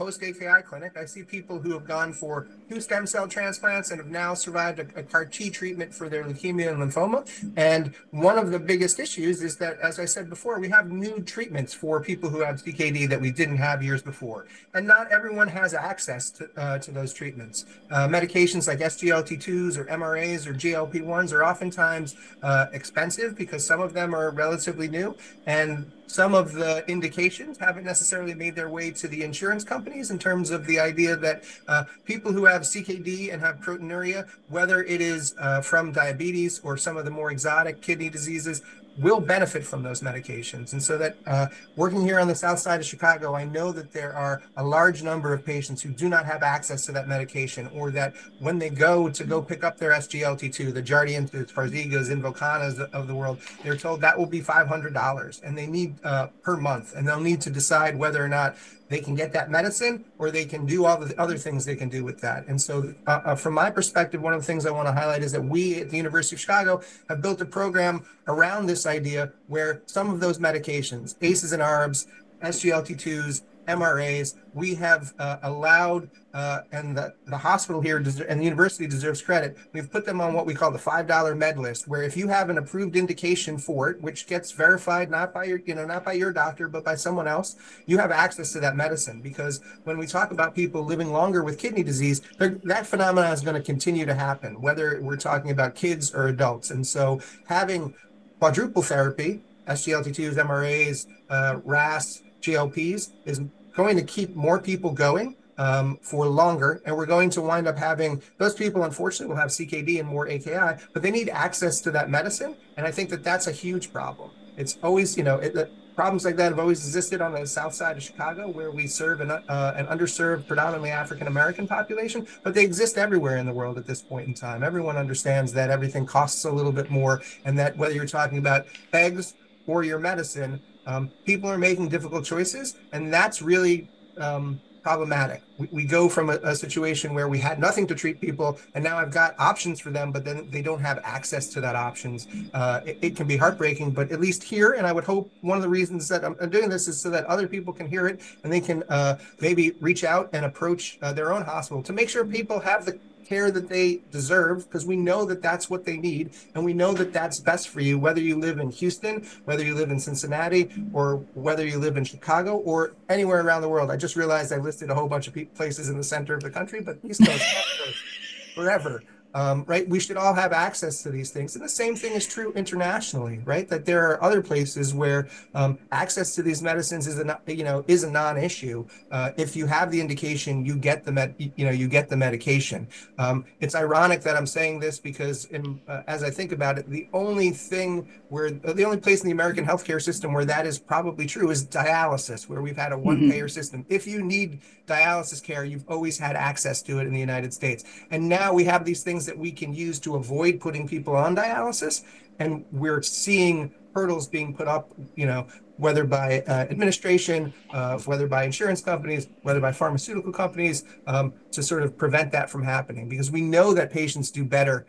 disease or cancer. In my post-AKI clinic, I see people who have gone for two stem cell transplants and have now survived a CAR-T treatment for their leukemia and lymphoma. One of the biggest issues is that, as I said before, we have new treatments for people who have CKD that we didn't have years before. Not everyone has access to those treatments. Medications like SGLT2 inhibitors or MRAs or GLP-1s are oftentimes expensive because some of them are relatively new. Some of the indications haven't necessarily made their way to the insurance companies in terms of the idea that people who have CKD and have proteinuria, whether it is from diabetes or some of the more exotic kidney diseases, will benefit from those medications. Working here on the south side of Chicago, I know that there are a large number of patients who do not have access to that medication or that when they go to pick up their SGLT2 inhibitor, the Jardiance, Farxiga, Invokana of the world, they're told that will be $500 they need per month. They'll need to decide whether or not they can get that medicine or they can do all the other things they can do with that. From my perspective, one of the things I want to highlight is that we at the University of Chicago have built a program around this idea where some of those medications, ACEs and ARBs, SGLT2s, MRAs, we have allowed, and the hospital here and the university deserves credit. We've put them on what we call the $5 med list, where if you have an approved indication for it, which gets verified not by your doctor, but by someone else, you have access to that medicine. When we talk about people living longer with kidney disease, that phenomenon is going to continue to happen, whether we're talking about kids or adults. Having quadruple therapy, SGLT2, MRAs, RAS, GLPs, is going to keep more people going for longer. We're going to wind up having those people, unfortunately, will have CKD and more AKI, but they need access to that medicine. I think that that's a huge problem. Problems like that have always existed on the south side of Chicago, where we serve an underserved, predominantly African-American population. They exist everywhere in the world at this point in time. Everyone understands that everything costs a little bit more, and whether you're talking about eggs or your medicine, people are making difficult choices. That's really problematic. We go from a situation where we had nothing to treat people, and now I've got options for them, but then they don't have access to that option. It can be heartbreaking. At least here, and I would hope one of the reasons that I'm doing this is so that other people can hear it and they can maybe reach out and approach their own hospital to make sure people have the care that they deserve, because we know that that's what they need. We know that that's best for you, whether you live in Houston, whether you live in Cincinnati, or whether you live in Chicago, or anywhere around the world. I just realized I listed a whole bunch of places in the center of the country, but East Coast, South Coast, wherever, right? We should all have access to these things. The same thing is true internationally, right? There are other places where access to these medicines is a non-issue. If you have the indication, you get the medication. It's ironic that I'm saying this because, as I think about it, the only place in the American health care system where that is probably true is dialysis, where we've had a one-payer system. If you need dialysis care, you've always had access to it in the United States. Now we have these things that we can use to avoid putting people on dialysis, and we're seeing hurdles being put up, whether by administration, whether by insurance companies, whether by pharmaceutical companies, to sort of prevent that from happening. We know that patients do better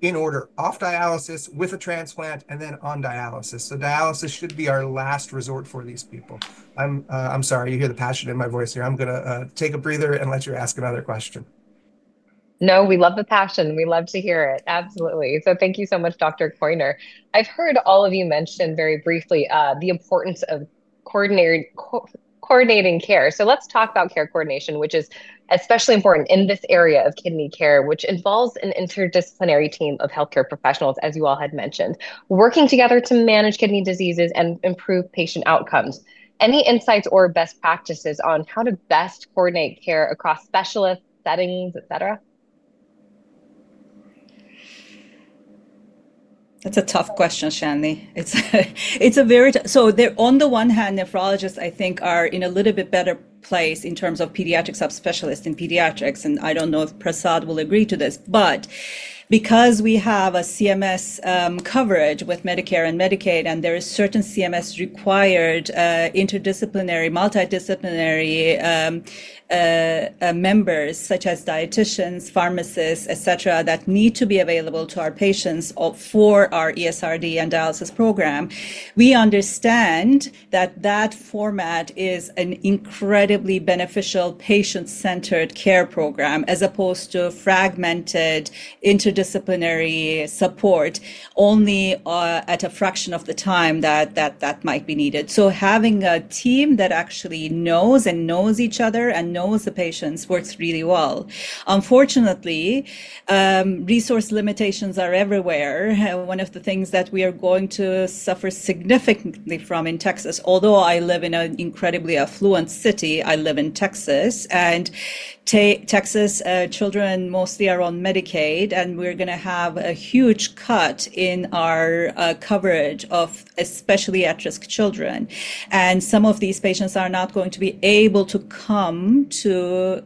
in order off dialysis, with a transplant, and then on dialysis. Dialysis should be our last resort for these people. I'm sorry. You hear the passion in my voice here. I'm going to take a breather and let you ask another question. No, we love the passion. We love to hear it. Absolutely. Thank you so much, Dr. Koyner. I've heard all of you mention very briefly the importance of coordinating care. Let's talk about care coordination, which is especially important in this area of kidney care, which involves an interdisciplinary team of health care professionals, as you all had mentioned, working together to manage kidney diseases and improve patient outcomes. Any insights or best practices on how to best coordinate care across specialists, settings, et cetera? That's a tough question, Shanley. It's very tough. On the one hand, nephrologists, I think, are in a little bit better place in terms of pediatric subspecialists in pediatrics. I don't know if Prasad will agree to this. Because we have CMS coverage with Medicare and Medicaid, and there are certain CMS-required interdisciplinary, multidisciplinary members, such as dieticians, pharmacists, etc., that need to be available to our patients for our ESRD and dialysis program, we understand that format is an incredibly beneficial patient-centered care program, as opposed to fragmented interdisciplinary support only at a fraction of the time that might be needed. Having a team that actually knows and knows each other and knows the patients works really well. Unfortunately, resource limitations are everywhere. One of the things that we are going to suffer significantly from in Texas, although I live in an incredibly affluent city, I live in Texas. Texas children mostly are on Medicaid. We're going to have a huge cut in our coverage of especially at-risk children. Some of these patients are not going to be able to come to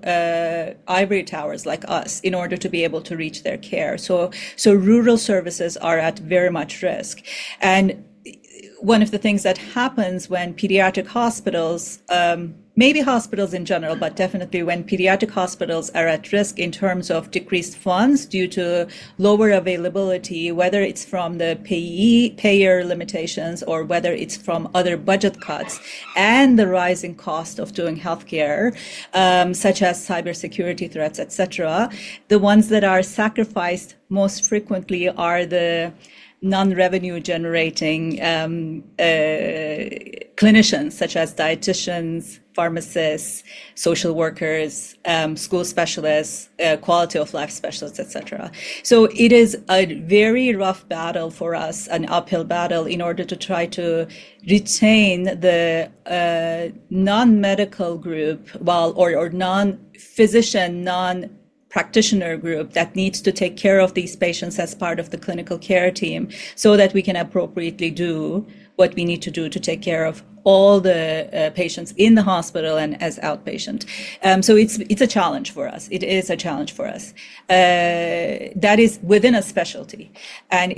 ivory towers like us in order to be able to reach their care. Rural services are at very much risk. One of the things that happens when pediatric hospitals, maybe hospitals in general, but definitely when pediatric hospitals are at risk in terms of decreased funds due to lower availability, whether it's from the payer limitations or whether it's from other budget cuts and the rising cost of doing health care, such as cybersecurity threats, etc., the ones that are sacrificed most frequently are the non-revenue-generating clinicians, such as dieticians, pharmacists, social workers, school specialists, quality of life specialists, etc. It is a very rough battle for us, an uphill battle in order to try to retain the non-medical group or non-physician, non-practitioner group that needs to take care of these patients as part of the clinical care team so that we can appropriately do what we need to do to take care of all the patients in the hospital and as outpatient. It's a challenge for us. It is a challenge for us. That is within a specialty.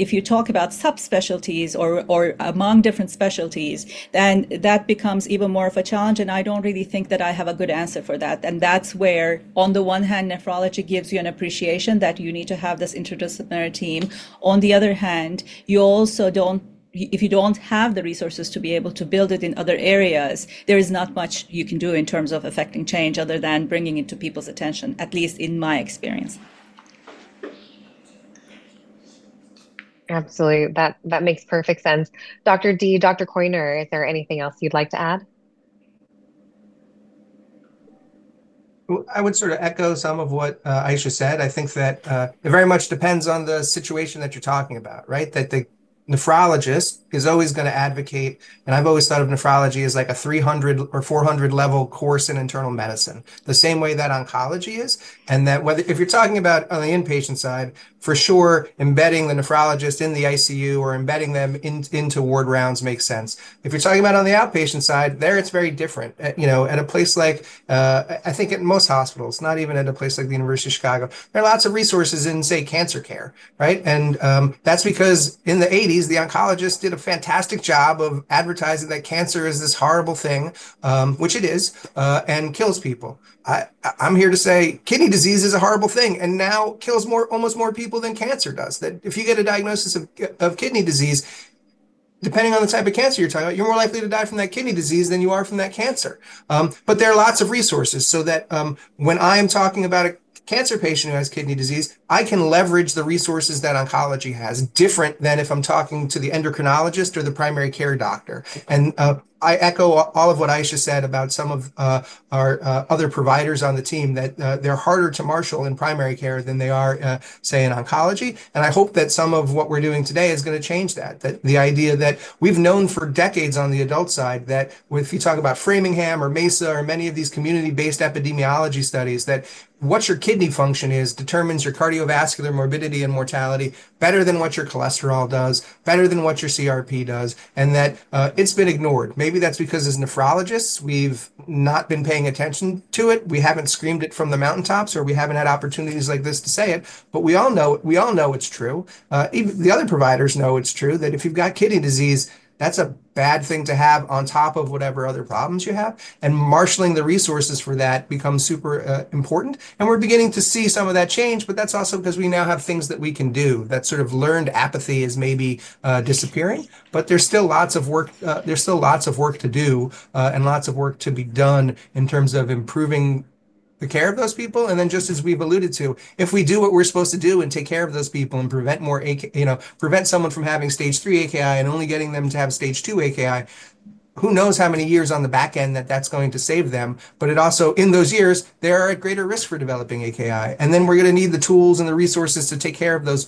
If you talk about subspecialties or among different specialties, then that becomes even more of a challenge. I don't really think that I have a good answer for that. That's where, on the one hand, nephrology gives you an appreciation that you need to have this interdisciplinary team. On the other hand, you also don't, if you don't have the resources to be able to build it in other areas, there is not much you can do in terms of affecting change other than bringing it to people's attention, at least in my experience. Absolutely. That makes perfect sense. Dr. D, Dr. Koyner, is there anything else you'd like to add? I would sort of echo some of what Ayse said. I think that it very much depends on the situation that you're talking about, right? The nephrologist is always going to advocate, and I've always thought of nephrology as like a 300 or 400-level course in internal medicine, the same way that oncology is. If you're talking about on the inpatient side, for sure, embedding the nephrologist in the ICU or embedding them into ward rounds makes sense. If you're talking about on the outpatient side, there it's very different. At a place like, I think, at most hospitals, not even at a place like the University of Chicago, there are lots of resources in, say, cancer care, right? That's because in the 1980s, the oncologists did a fantastic job of advertising that cancer is this horrible thing, which it is, and kills people. I'm here to say kidney disease is a horrible thing and now kills almost more people than cancer does. If you get a diagnosis of kidney disease, depending on the type of cancer you're talking about, you're more likely to die from that kidney disease than you are from that cancer. There are lots of resources so that when I am talking about a cancer patient who has kidney disease, I can leverage the resources that oncology has, different than if I'm talking to the endocrinologist or the primary care doctor. I echo all of what Ayse said about some of our other providers on the team, that they're harder to marshal in primary care than they are, say, in oncology. I hope that some of what we're doing today is going to change that, the idea that we've known for decades on the adult side that if you talk about Framingham or MESA or many of these community-based epidemiology studies, what your kidney function is determines your cardiovascular morbidity and mortality better than what your cholesterol does, better than what your CRP does, and that it's been ignored. Maybe that's because as nephrologists, we've not been paying attention to it. We haven't screamed it from the mountaintops, or we haven't had opportunities like this to say it. We all know it's true. The other providers know it's true that if you've got kidney disease, that's a bad thing to have on top of whatever other problems you have. Marshaling the resources for that becomes super important. We're beginning to see some of that change. That's also because we now have things that we can do. That sort of learned apathy is maybe disappearing. There is still lots of work to do and lots of work to be done in terms of improving the care of those people. Just as we've alluded to, if we do what we're supposed to do and take care of those people and prevent someone from having Stage 3 AKI and only getting them to have Stage 2 AKI, who knows how many years on the back end that is going to save them. In those years, they are at greater risk for developing AKI. We are going to need the tools and the resources to take care of those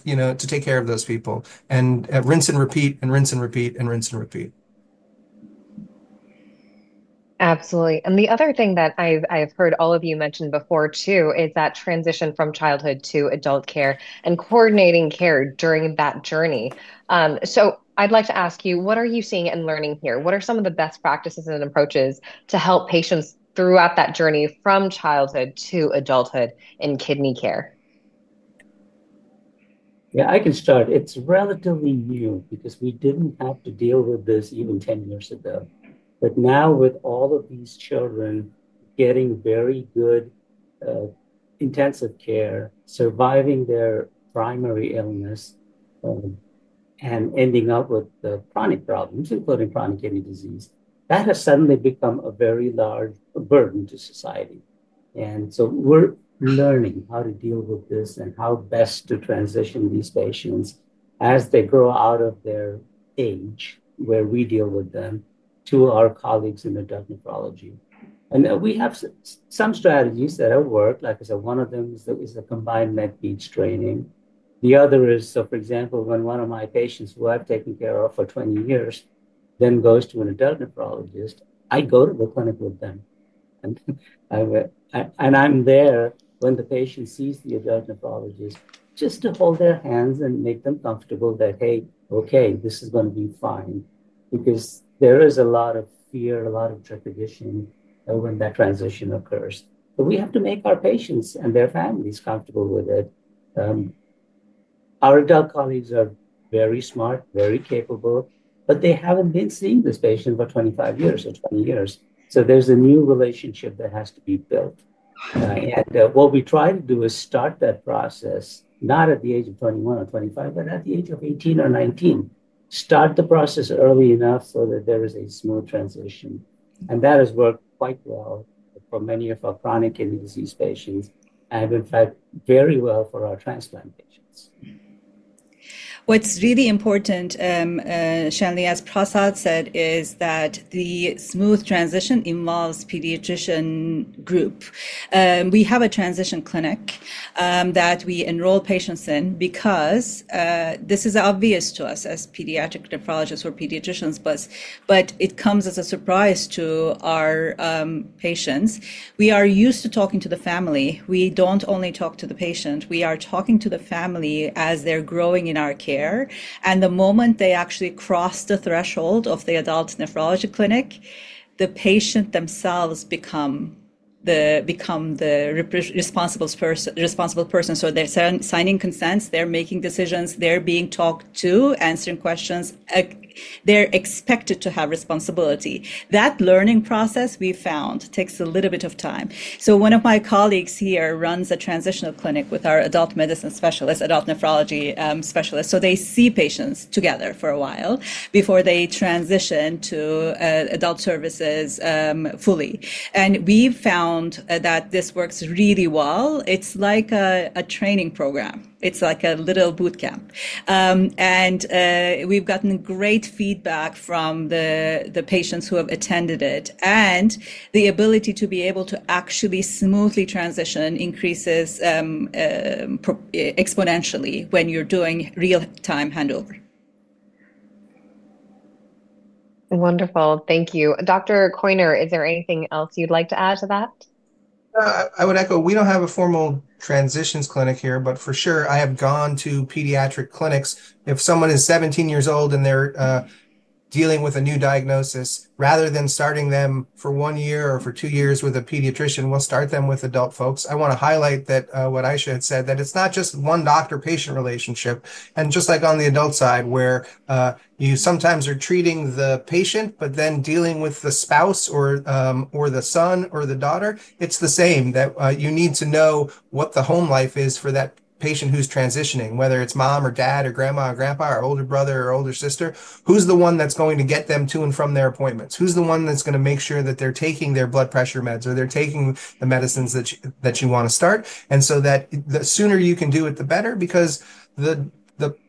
people and rinse and repeat and rinse and repeat and rinse and repeat. Absolutely. The other thing that I've heard all of you mention before too is that transition from childhood to adult care and coordinating care during that journey. I'd like to ask you, what are you seeing and learning here? What are some of the best practices and approaches to help patients throughout that journey from childhood to adulthood in kidney care? Yeah, I can start. It's relatively new because we didn't have to deal with this even 10 years ago. Now, with all of these children getting very good intensive care, surviving their primary illness, and ending up with chronic problems, including chronic kidney disease, that has suddenly become a very large burden to society. We are learning how to deal with this and how best to transition these patients as they grow out of their age, where we deal with them, to our colleagues in adult nephrology. We have some strategies that have worked. Like I said, one of them is the combined med-beach training. For example, when one of my patients who I've taken care of for 20 years then goes to an adult nephrologist, I go to the clinic with them. I'm there when the patient sees the adult nephrologist just to hold their hands and make them comfortable that, hey, OK, this is going to be fine because there is a lot of fear, a lot of trepidation when that transition occurs. We have to make our patients and their families comfortable with it. Our adult colleagues are very smart, very capable, but they haven't been seeing this patient for 25 years or 20 years. There is a new relationship that has to be built. What we try to do is start that process, not at the age of 21 or 25, but at the age of 18 or 19. Start the process early enough so that there is a smooth transition. That has worked quite well for many of our chronic kidney disease patients and, in fact, very well for our transplant patients. What's really important, Shanley, as Prasad said, is that the smooth transition involves a pediatrician group. We have a transition clinic that we enroll patients in because this is obvious to us as pediatric nephrologists or pediatricians, but it comes as a surprise to our patients. We are used to talking to the family. We don't only talk to the patient. We are talking to the family as they're growing in our care. The moment they actually cross the threshold of the adult nephrology clinic, the patient themselves become the responsible person. They're signing consents, making decisions, being talked to, answering questions, and they're expected to have responsibility. That learning process, we found, takes a little bit of time. One of my colleagues here runs a transitional clinic with our adult medicine specialists, adult nephrology specialists. They see patients together for a while before they transition to adult services fully. We've found that this works really well. It's like a training program, like a little boot camp. We've gotten great feedback from the patients who have attended it. The ability to be able to actually smoothly transition increases exponentially when you're doing real-time handover. Wonderful. Thank you. Dr. Koyner, is there anything else you'd like to add to that? I would echo we don't have a formal transitions clinic here, but for sure, I have gone to pediatric clinics. If someone is 17 years old and they're dealing with a new diagnosis, rather than starting them for one year or for two years with a pediatrician, we'll start them with adult folks. I want to highlight what Ayse had said, that it's not just one doctor-patient relationship. Just like on the adult side, where you sometimes are treating the patient, but then dealing with the spouse or the son or the daughter, it's the same that you need to know what the home life is for that patient who's transitioning, whether it's mom or dad or grandma or grandpa or older brother or older sister. Who's the one that's going to get them to and from their appointments? Who's the one that's going to make sure that they're taking their blood pressure meds or they're taking the medicines that you want to start? The sooner you can do it, the better, because the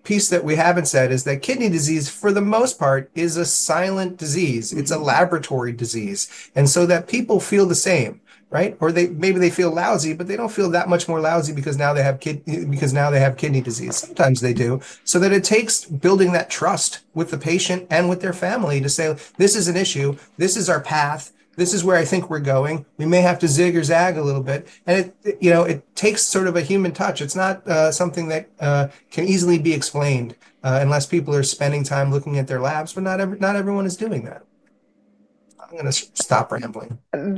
piece that we haven't said is that kidney disease, for the most part, is a silent disease. It's a laboratory disease. People feel the same, right? Or maybe they feel lousy, but they don't feel that much more lousy because now they have kidney disease. Sometimes they do. It takes building that trust with the patient and with their family to say, this is an issue. This is our path. This is where I think we're going. We may have to zig or zag a little bit. It takes sort of a human touch. It's not something that can easily be explained unless people are spending time looking at their labs. Not everyone is doing that. I'm going to stop rambling. No,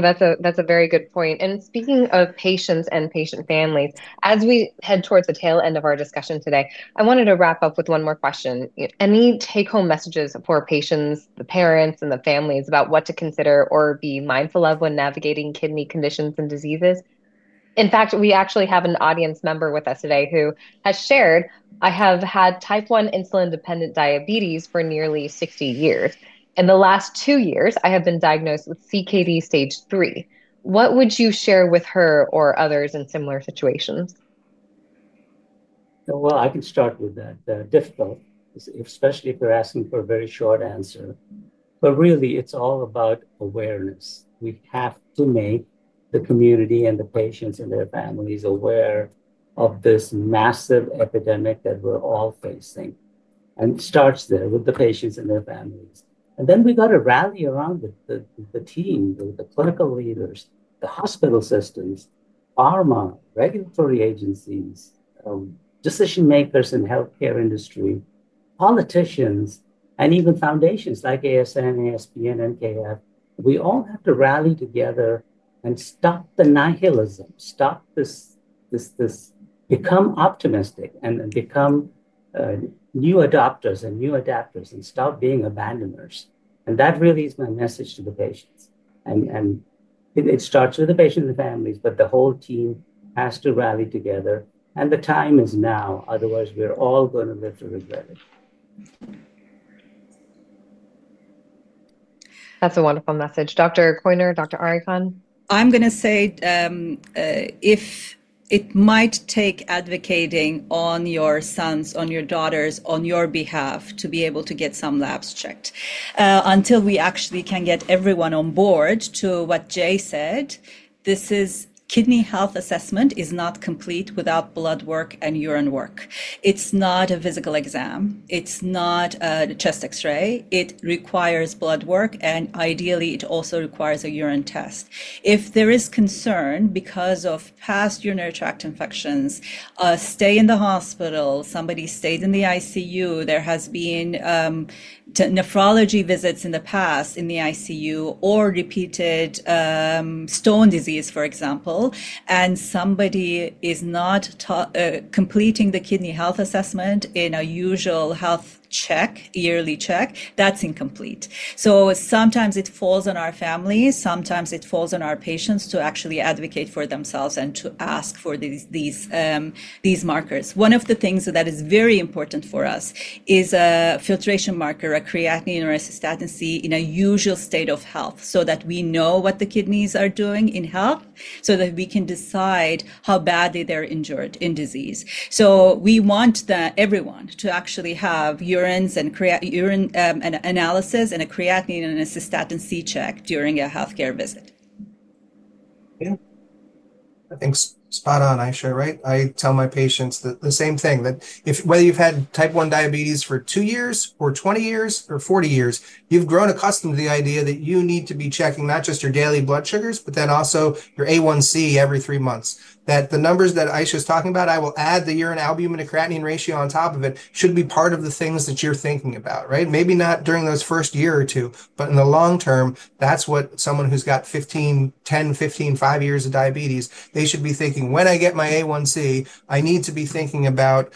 that's a very good point. Speaking of patients and patient families, as we head towards the tail end of our discussion today, I wanted to wrap up with one more question. Any take-home messages for patients, the parents, and the families about what to consider or be mindful of when navigating kidney conditions and diseases? In fact, we actually have an audience member with us today who has shared, "I have had type 1 insulin-dependent diabetes for nearly 60 years. In the last two years, I have been diagnosed with CKD Stage 3." What would you share with her or others in similar situations? I can start with that. Difficult, especially if you're asking for a very short answer. Really, it's all about awareness. We have to make the community and the patients and their families aware of this massive epidemic that we're all facing. It starts there with the patients and their families. We have to rally around the team, the political leaders, the hospital systems, pharma, regulatory agencies, decision makers in the health care industry, politicians, and even foundations like ASN, ASP, and NKR. We all have to rally together and stop the nihilism, stop this, become optimistic, and become new adopters and new adapters and stop being abandoners. That really is my message to the patients. It starts with the patients and the families, but the whole team has to rally together. The time is now. Otherwise, we're all going to live to regret it. That's a wonderful message. Dr. Koyner, Dr. Arikan? I'm going to say it might take advocating on your sons, on your daughters, on your behalf to be able to get some labs checked until we actually can get everyone on board to what Jay said. This kidney health assessment is not complete without blood work and urine work. It's not a physical exam. It's not a chest X-ray. It requires blood work. Ideally, it also requires a urine test. If there is concern because of past urinary tract infections, stay in the hospital, somebody stays in the ICU, there have been nephrology visits in the past in the ICU, or repeated stone disease, for example, and somebody is not completing the kidney health assessment in a usual health check, yearly check, that's incomplete. Sometimes it falls on our families. Sometimes it falls on our patients to actually advocate for themselves and to ask for these markers. One of the things that is very important for us is a filtration marker, a creatinine or a cystatin C in a usual state of health so that we know what the kidneys are doing in health so that we can decide how badly they're injured in disease. We want everyone to actually have urine analysis and a creatinine and a cystatin C check during a health care visit. Thanks. Spot on, Ayse, right? I tell my patients the same thing, that if whether you've had type 1 diabetes for two years or 20 years or 40 years, you've grown accustomed to the idea that you need to be checking not just your daily blood sugars, but then also your A1C every three months. The numbers that Ayse is talking about, I will add the urine albumin to creatinine ratio on top of it, should be part of the things that you're thinking about, right? Maybe not during those first year or two, but in the long term, that's what someone who's got 15, 10, 15, 5 years of diabetes, they should be thinking, when I get my A1C, I need to be thinking about,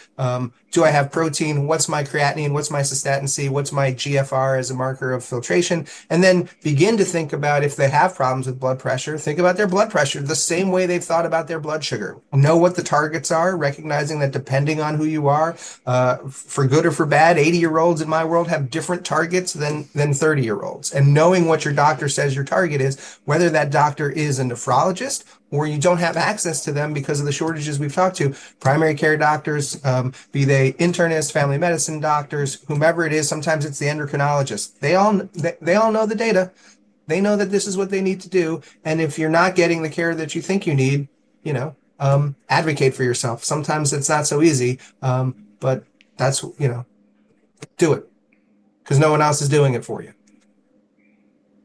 do I have protein? What's my creatinine? What's my cystatin C? What's my GFR as a marker of filtration? Then begin to think about if they have problems with blood pressure, think about their blood pressure the same way they've thought about their blood sugar. Know what the targets are, recognizing that depending on who you are, for good or for bad, 80-year-olds in my world have different targets than 30-year-olds. Knowing what your doctor says your target is, whether that doctor is a nephrologist or you don't have access to them because of the shortages we've talked to, primary care doctors, be they internists, family medicine doctors, whomever it is, sometimes it's the endocrinologists. They all know the data. They know that this is what they need to do. If you're not getting the care that you think you need, you know, advocate for yourself. Sometimes it's not so easy, but that's, you know, do it because no one else is doing it for you.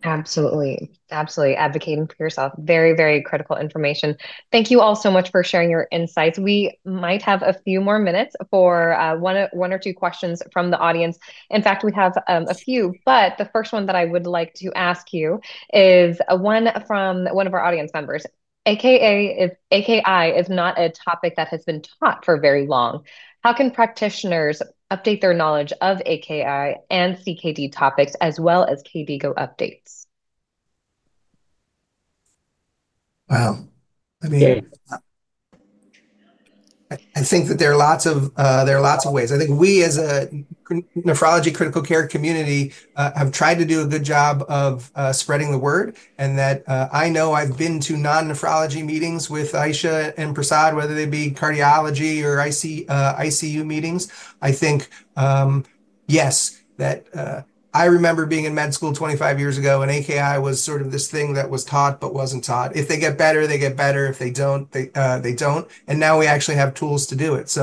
Absolutely. Absolutely. Advocating for yourself. Very, very critical information. Thank you all so much for sharing your insights. We might have a few more minutes for one or two questions from the audience. In fact, we have a few. The first one that I would like to ask you is from one of our audience members. AKI is not a topic that has been taught for very long. How can practitioners update their knowledge of AKI and CKD topics, as well as KDIGO updates? Wow. I mean, I think that there are lots of ways. I think we, as a nephrology critical care community, have tried to do a good job of spreading the word. I know I've been to non-nephrology meetings with Ayse and Prasad, whether they be cardiology or ICU meetings. I think, yes, I remember being in med school 25 years ago, and AKI was sort of this thing that was taught but wasn't taught. If they get better, they get better. If they don't, they don't. Now we actually have tools to do it.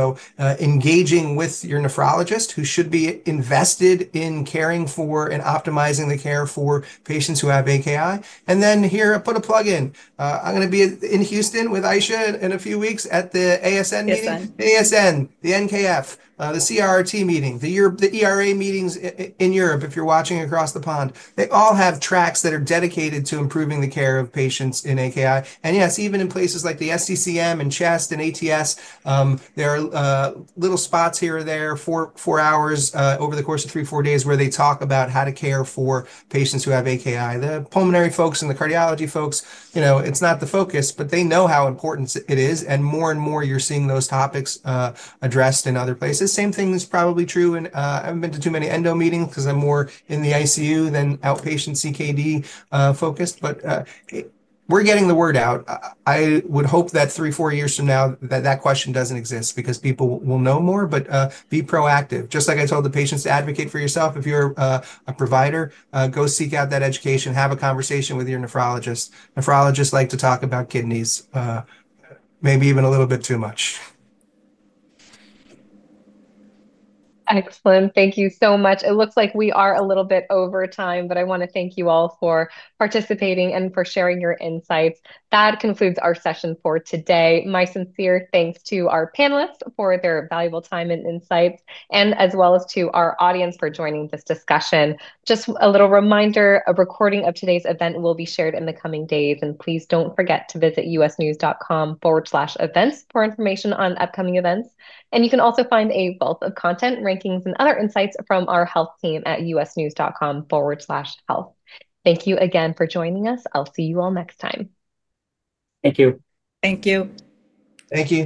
Engaging with your nephrologist, who should be invested in caring for and optimizing the care for patients who have AKI. Here, I put a plug in. I'm going to be in Houston with Ayse in a few weeks at the ASN meeting, ASN, the NKF, the CRRT meeting, the ERA meetings in Europe, if you're watching across the pond. They all have tracks that are dedicated to improving the care of patients in AKI. Yes, even in places like the SCCM and CHEST and ATS, there are little spots here or there for hours over the course of three, four days where they talk about how to care for patients who have AKI. The pulmonary folks and the cardiology folks, you know, it's not the focus, but they know how important it is. More and more, you're seeing those topics addressed in other places. Same thing is probably true. I haven't been to too many endo meetings because I'm more in the ICU than outpatient CKD focused. We're getting the word out. I would hope that three, four years from now that that question doesn't exist because people will know more. Be proactive. Just like I told the patients, advocate for yourself. If you're a provider, go seek out that education. Have a conversation with your nephrologist. Nephrologists like to talk about kidneys, maybe even a little bit too much. Excellent. Thank you so much. It looks like we are a little bit over time, but I want to thank you all for participating and for sharing your insights. That concludes our session for today. My sincere thanks to our panelists for their valuable time and insights, as well as to our audience for joining this discussion. Just a little reminder, a recording of today's event will be shared in the coming days. Please don't forget to visit usnews.com/events for information on upcoming events. You can also find a wealth of content, rankings, and other insights from our health team at usnews.com/health. Thank you again for joining us. I'll see you all next time. Thank you. Thank you. Thank you.